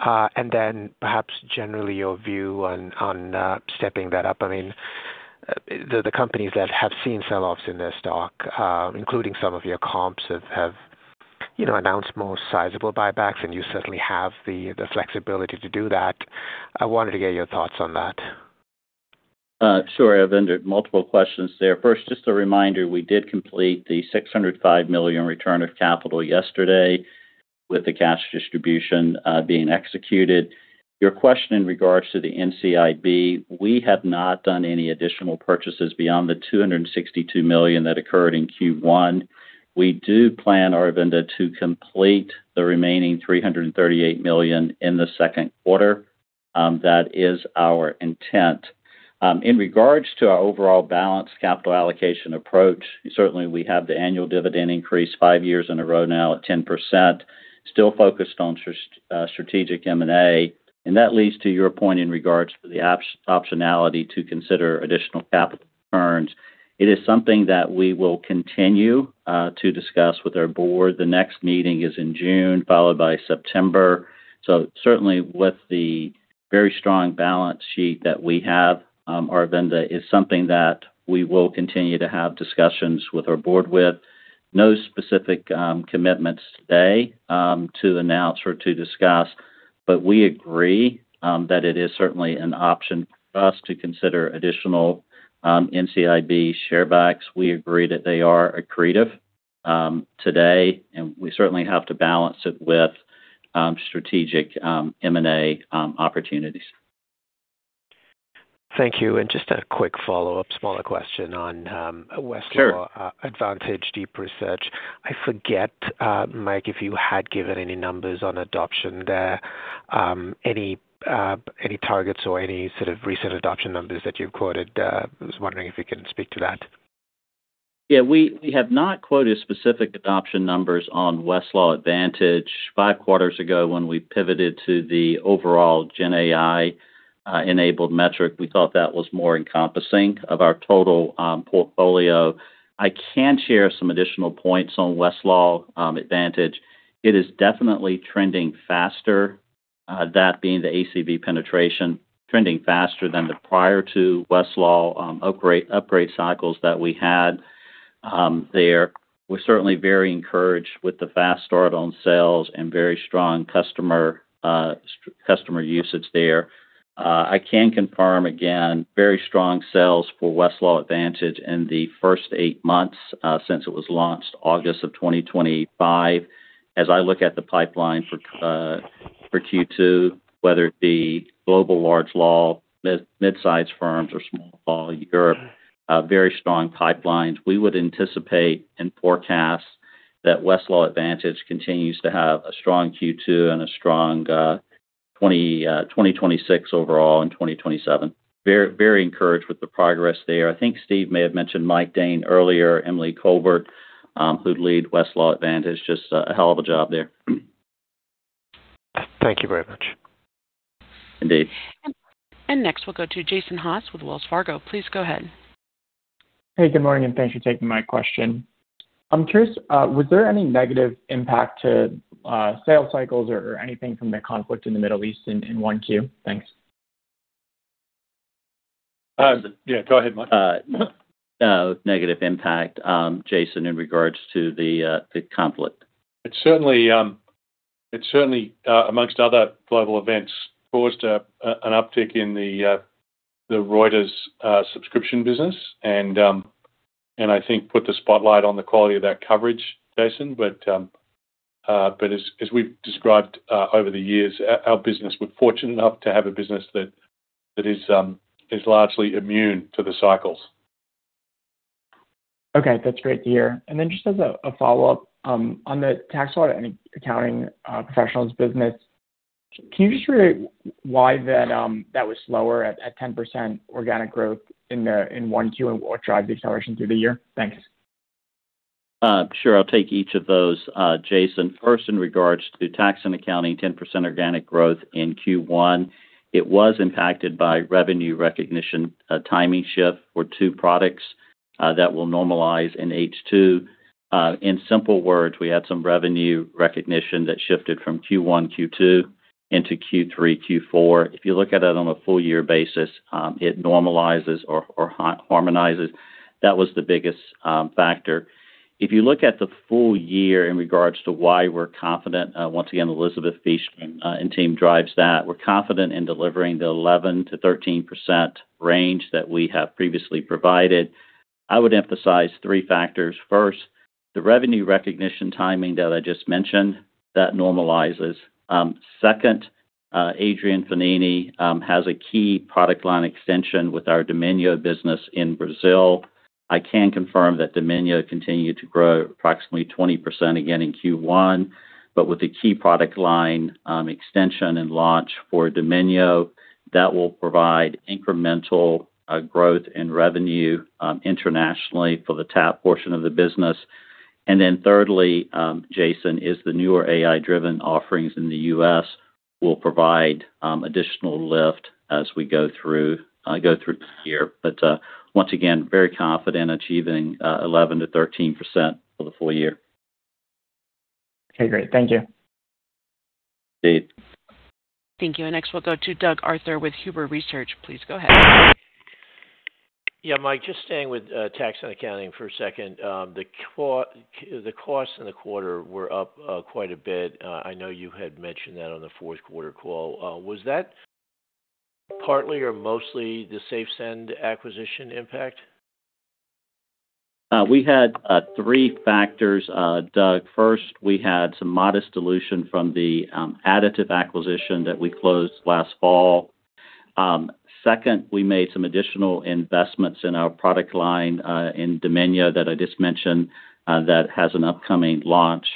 Perhaps generally your view on stepping that up. I mean, the companies that have seen sell-offs in their stock, including some of your comps have, you know, announced more sizable buybacks, and you certainly have the flexibility to do that. I wanted to get your thoughts on that. Sure, Aravinda. Multiple questions there. First, just a reminder, we did complete the $605 million return of capital yesterday with the cash distribution being executed. Your question in regards to the NCIB, we have not done any additional purchases beyond the $262 million that occurred in Q1. We do plan, Aravinda, to complete the remaining $338 million in the second quarter. That is our intent. In regards to our overall balance capital allocation approach, certainly we have the annual dividend increase five years in a row now at 10%, still focused on strategic M&A. That leads to your point in regards to the optionality to consider additional capital returns. It is something that we will continue to discuss with our board. The next meeting is in June, followed by September. Certainly with the very strong balance sheet that we have, Aravinda, is something that we will continue to have discussions with our board with. No specific commitments today to announce or to discuss, but we agree that it is certainly an option for us to consider additional NCIB share buybacks. We agree that they are accretive today, and we certainly have to balance it with strategic M&A opportunities. Thank you. Just a quick follow-up, smaller question on Westlaw. Sure. Advantage deep research. I forget, Mike, if you had given any numbers on adoption there, any targets or any sort of recent adoption numbers that you've quoted. I was wondering if you can speak to that. We have not quoted specific adoption numbers on Westlaw Advantage. Five quarters ago, when we pivoted to the overall GenAI enabled metric, we thought that was more encompassing of our total portfolio. I can share some additional points on Westlaw Advantage. It is definitely trending faster, that being the ACV penetration trending faster than the prior to Westlaw upgrade cycles that we had there. We're certainly very encouraged with the fast start on sales and very strong customer usage there. I can confirm again, very strong sales for Westlaw Advantage in the first eight months, since it was launched August of 2025. As I look at the pipeline for Q2, whether it be global large law, mid-size firms or small law Europe, very strong pipelines. We would anticipate and forecast that Westlaw Advantage continues to have a strong Q2 and a strong 2026 overall and 2027. We're very encouraged with the progress there. I think Steve may have mentioned Mike Dahn earlier, Emily Colbert, who lead Westlaw Advantage. Just a hell of a job there. Thank you very much. Indeed. Next we'll go to Jason Haas with Wells Fargo. Please go ahead. Good morning. Thanks for taking my question. I'm curious, was there any negative impact to sales cycles or anything from the conflict in the Middle East in 1Q? Thanks. Uh. Yeah, go ahead, Mike. No negative impact, Jason, in regards to the conflict. It certainly, amongst other global events, caused an uptick in the Reuters subscription business. I think put the spotlight on the quality of that coverage, Jason. As we've described over the years, our business, we're fortunate enough to have a business that is largely immune to the cycles. Okay. That's great to hear. Then just as a follow-up, on the Tax, Audit & Accounting Professionals business, can you just reiterate why that was slower at 10% organic growth in 1Q and what drives the acceleration through the year? Thanks. Sure. I'll take each of those, Jason. First, in regards to tax and accounting, 10% organic growth in Q1, it was impacted by revenue recognition, a timing shift for two products that will normalize in H2. In simple words, we had some revenue recognition that shifted from Q1, Q2 into Q3, Q4. If you look at it on a full year basis, it normalizes or harmonizes. That was the biggest factor. If you look at the full year in regards to why we're confident, once again, Elizabeth Beastrom and team drives that, we're confident in delivering the 11%-13% range that we have previously provided. I would emphasize three factors. First, the revenue recognition timing that I just mentioned, that normalizes. Second, Adrian Fognini has a key product line extension with our Domínio business in Brazil. I can confirm that Domínio continued to grow approximately 20% again in Q1, but with a key product line extension and launch for Domínio, that will provide incremental growth in revenue internationally for the TAP portion of the business. Thirdly, Jason, is the newer AI-driven offerings in the U.S. will provide additional lift as we go through this year. Once again, very confident achieving 11%-13% for the full year. Okay, great. Thank you. Thank you. Next we'll go to Doug Arthur with Huber Research. Please go ahead. Yeah, Mike, just staying with tax and accounting for a second. The costs in the quarter were up quite a bit. I know you had mentioned that on the fourth quarter call. Was that partly or mostly the SafeSend acquisition impact? We had three factors, Doug. First, we had some modest dilution from the additive acquisition that we closed last fall. Second, we made some additional investments in our product line, in Domínio that I just mentioned, that has an upcoming launch.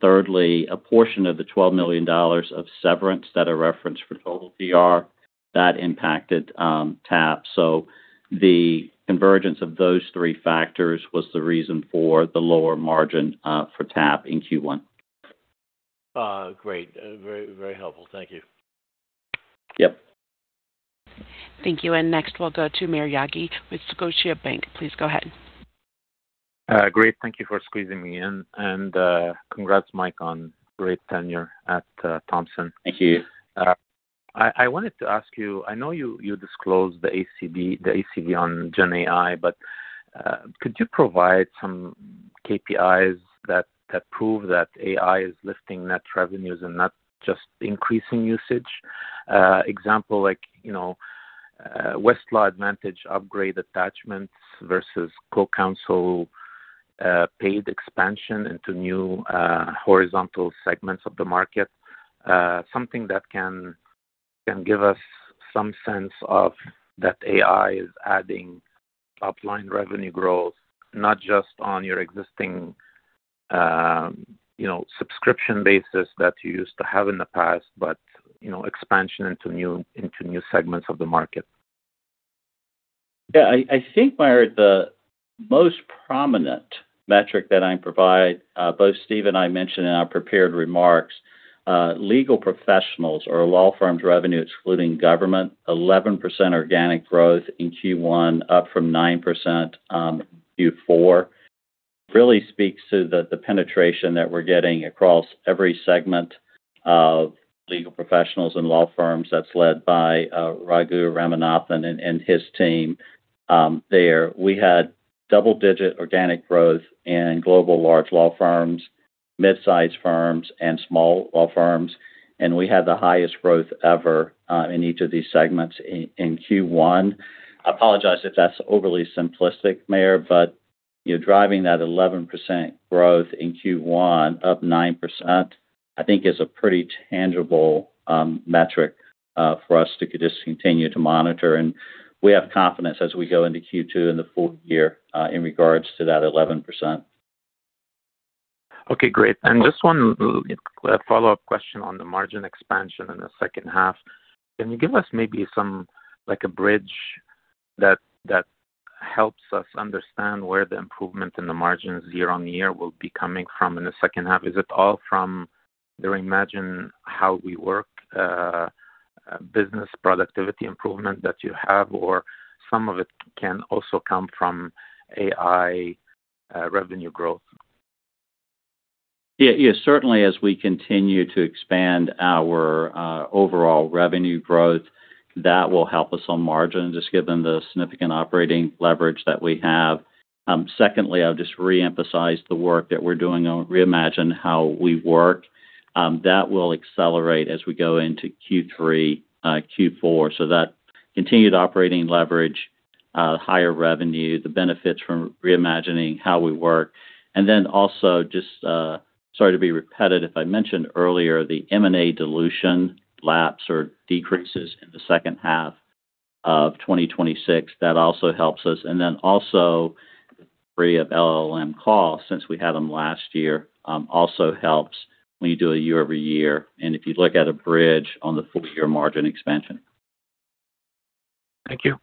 Thirdly, a portion of the $12 million of severance that I referenced for total VR, that impacted TAP. The convergence of those three factors was the reason for the lower margin for TAP in Q1. Great. Very helpful. Thank you. Yep. Thank you. Next we'll go to Maher Yaghi with Scotiabank. Please go ahead. Great. Thank you for squeezing me in. Congrats, Mike, on great tenure at Thomson Reuters. Thank you. I wanted to ask you, I know you disclosed the ACV on GenAI, but could you provide some KPIs that prove that AI is lifting net revenues and not just increasing usage? Example, like, you know, Westlaw Advantage upgrade attachments versus CoCounsel, paid expansion into new horizontal segments of the market. Something that can give us some sense of that AI is adding top-line revenue growth, not just on your existing, you know, subscription basis that you used to have in the past, but you know, expansion into new segments of the market. I think, Maher, the most prominent metric that I provide, both Steve and I mentioned in our prepared remarks, legal professionals or law firms revenue, excluding government, 11% organic growth in Q1, up from 9%, Q4, really speaks to the penetration that we're getting across every segment of legal professionals and law firms that's led by Raghu Ramanathan and his team there. We had double-digit organic growth in global large law firms, mid-size firms, and small law firms, and we had the highest growth ever in each of these segments in Q1. I apologize if that's overly simplistic, Maher, but you're driving that 11% growth in Q1, up 9%, I think is a pretty tangible metric for us to just continue to monitor. We have confidence as we go into Q2 and the full year, in regards to that 11%. Okay, great. Just one follow-up question on the margin expansion in the second half. Can you give us maybe some like a bridge that helps us understand where the improvement in the margins year-on-year will be coming from in the second half? Is it all from the Reimagine How We Work business productivity improvement that you have, or some of it can also come from AI revenue growth? Yeah, yeah. Certainly, as we continue to expand our overall revenue growth, that will help us on margin, just given the significant operating leverage that we have. Secondly, I'll just re-emphasize the work that we're doing on Reimagine How We Work. That will accelerate as we go into Q3, Q4. That continued operating leverage, higher revenue, the benefits from Reimagine How We Work. Also just, sorry to be repetitive, I mentioned earlier, the M&A dilution lapse or decreases in the second half of 2026, that also helps us. Also free of LLM costs, since we had them last year, also helps when you do a year-over-year, and if you look at a bridge on the full year margin expansion. Thank you.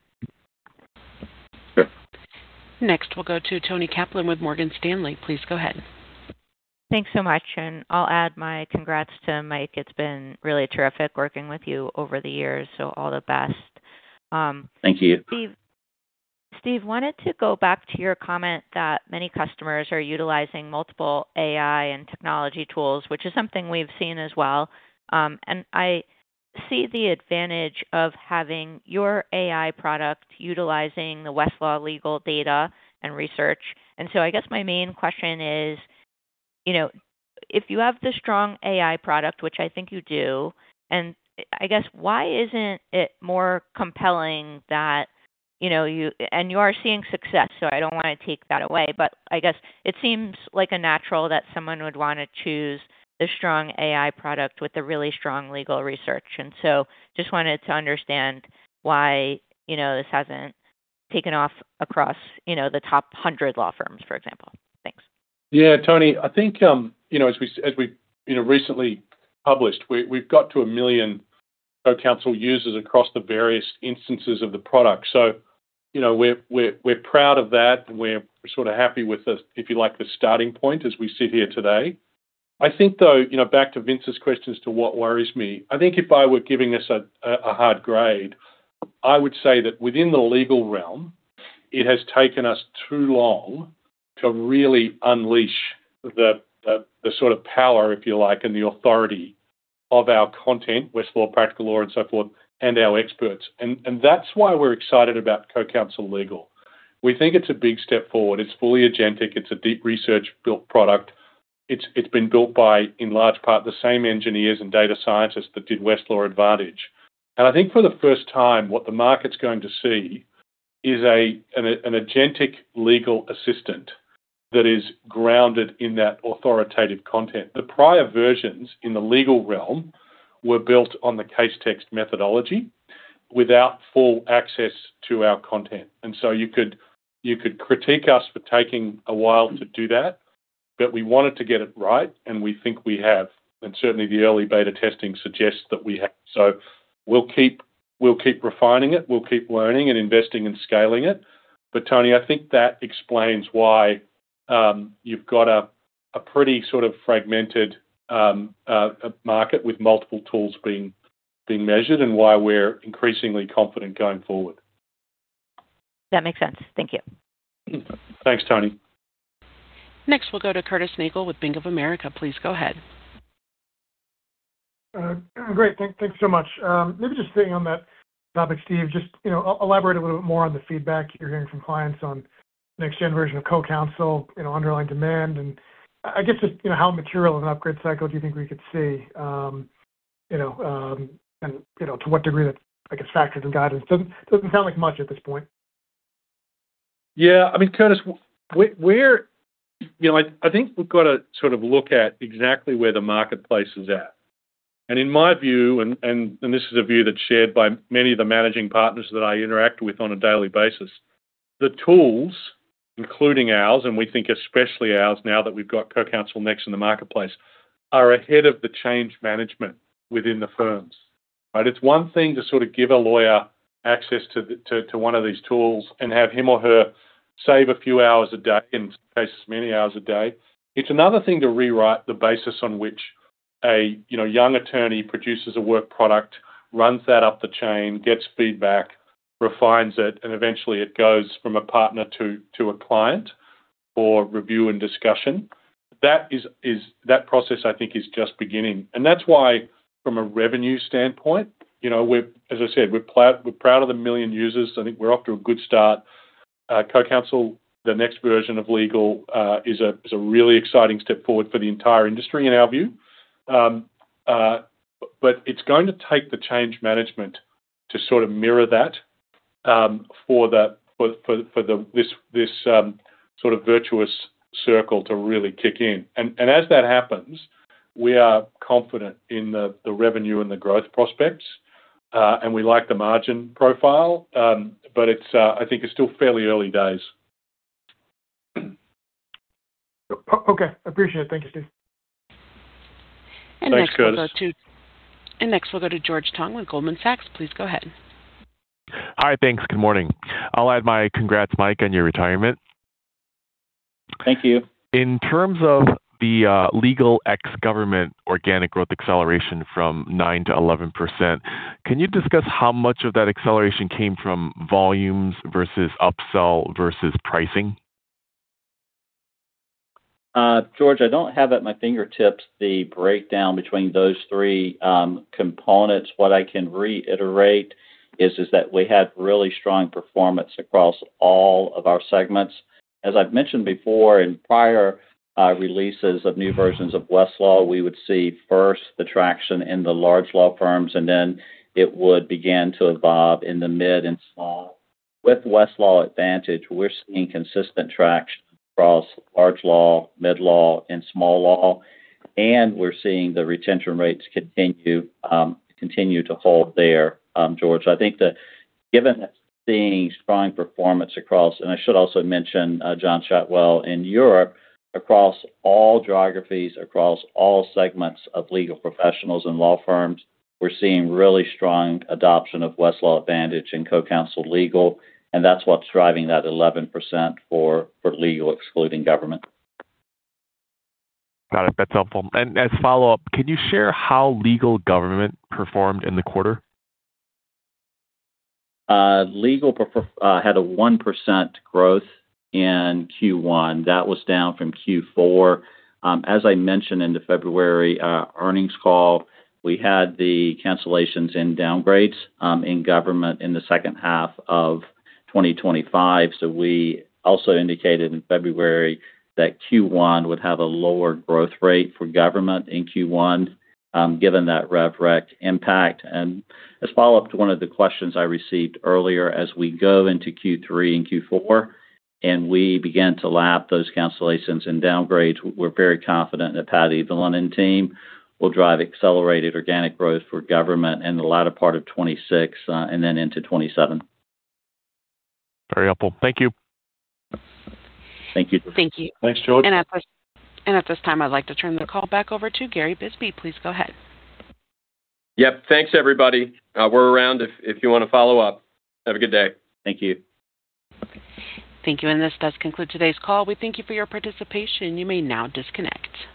Sure. Next, we'll go to Toni Kaplan with Morgan Stanley. Please go ahead. Thanks so much, and I'll add my congrats to Mike. It's been really terrific working with you over the years, so all the best. Thank you. Steve, wanted to go back to your comment that many customers are utilizing multiple AI and technology tools, which is something we've seen as well. I see the advantage of having your AI product utilizing the Westlaw legal data and research. I guess my main question is, you know, if you have the strong AI product, which I think you do, and I guess why isn't it more compelling that, you know, you are seeing success, so I don't wanna take that away, but I guess it seems like a natural that someone would wanna choose the strong AI product with the really strong legal research. Just wanted to understand why, you know, this hasn't taken off across, you know, the top 100 law firms, for example. Thanks. Toni. I think, you know, as we, you know, recently published, we've got to 1 million CoCounsel users across the various instances of the product. You know, we're proud of that. We're sort of happy with the, if you like, the starting point as we sit here today. I think, though, you know, back to Vince's questions to what worries me, I think if I were giving us a hard grade, I would say that within the legal realm. It has taken us too long to really unleash the sort of power, if you like, and the authority of our content, Westlaw, Practical Law, and so forth, and our experts. And that's why we're excited about CoCounsel Legal. We think it's a big step forward. It's fully agentic. It's a deep research-built product. It's been built by, in large part, the same engineers and data scientists that did Westlaw Advantage. I think for the first time, what the market's going to see is an agentic legal assistant that is grounded in that authoritative content. The prior versions in the legal realm were built on the case text methodology without full access to our content. You could critique us for taking a while to do that, but we wanted to get it right, and we think we have. Certainly, the early beta testing suggests that we have. We'll keep refining it. We'll keep learning and investing and scaling it. Toni, I think that explains why you've got a pretty sort of fragmented market with multiple tools being measured and why we're increasingly confident going forward. That makes sense. Thank you. Thanks, Toni. Next, we'll go to Curtis Nagle with Bank of America. Please go ahead. Great. Thanks so much. Maybe just staying on that topic, Steve, just, you know, elaborate a little bit more on the feedback you're hearing from clients on next gen version of CoCounsel, you know, underlying demand, and I guess just, you know, how material of an upgrade cycle do you think we could see, you know, and, you know, to what degree that, I guess, factors in guidance. Doesn't sound like much at this point. Yeah. I mean, Curtis, you know, I think we've got to sort of look at exactly where the marketplace is at. In my view, and this is a view that's shared by many of the managing partners that I interact with on a daily basis, the tools, including ours, and we think especially ours now that we've got CoCounsel Next in the marketplace, are ahead of the change management within the firms, right? It's one thing to sort of give a lawyer access to one of these tools and have him or her save a few hours a day, in some cases many hours a day. It's another thing to rewrite the basis on which a, you know, young attorney produces a work product, runs that up the chain, gets feedback, refines it, and eventually it goes from a partner to a client for review and discussion. That process I think is just beginning. That's why, from a revenue standpoint, you know, we're, as I said, we're proud of the million users. I think we're off to a good start. CoCounsel, the next version of Legal, is a really exciting step forward for the entire industry in our view. It's going to take the change management to sort of mirror that for the, this, sort of virtuous circle to really kick in. As that happens, we are confident in the revenue and the growth prospects, and we like the margin profile. It's, I think it's still fairly early days. Okay. Appreciate it. Thank you, Steve. Thanks, Curtis. Next we'll go to George Tong with Goldman Sachs. Please go ahead. Hi. Thanks. Good morning. I'll add my congrats, Mike, on your retirement. Thank you. In terms of the legal ex government organic growth acceleration from 9%-11%, can you discuss how much of that acceleration came from volumes versus upsell versus pricing? George, I don't have at my fingertips the breakdown between those three components. What I can reiterate is that we had really strong performance across all of our segments. As I've mentioned before, in prior releases of new versions of Westlaw, we would see first the traction in the large law firms, and then it would begin to evolve in the mid and small. With Westlaw Advantage, we're seeing consistent traction across large law, mid law, and small law, and we're seeing the retention rates continue to hold there, George. I think Given that seeing strong performance across, and I should also mention, John Shotwell in Europe, across all geographies, across all segments of Legal Professionals and law firms, we're seeing really strong adoption of Westlaw Advantage and CoCounsel Legal, and that's what's driving that 11% for legal excluding government. Got it. That's helpful. As follow-up, can you share how legal government performed in the quarter? Legal had a 1% growth in Q1. That was down from Q4. As I mentioned in the February earnings call, we had the cancellations and downgrades in government in the second half of 2025. We also indicated in February that Q1 would have a lower growth rate for government in Q1 given that rev rec impact. As follow-up to one of the questions I received earlier, as we go into Q3 and Q4 and we begin to lap those cancellations and downgrades, we're very confident that Patty Vilonen team will drive accelerated organic growth for government in the latter part of 2026 and then into 2027. Very helpful. Thank you. Thank you, George. Thank you. Thanks, George. At this time, I'd like to turn the call back over to Gary Bisbee. Please go ahead. Yep. Thanks, everybody. We're around if you wanna follow up. Have a good day. Thank you. Thank you, and this does conclude today's call. We thank you for your participation. You may now disconnect.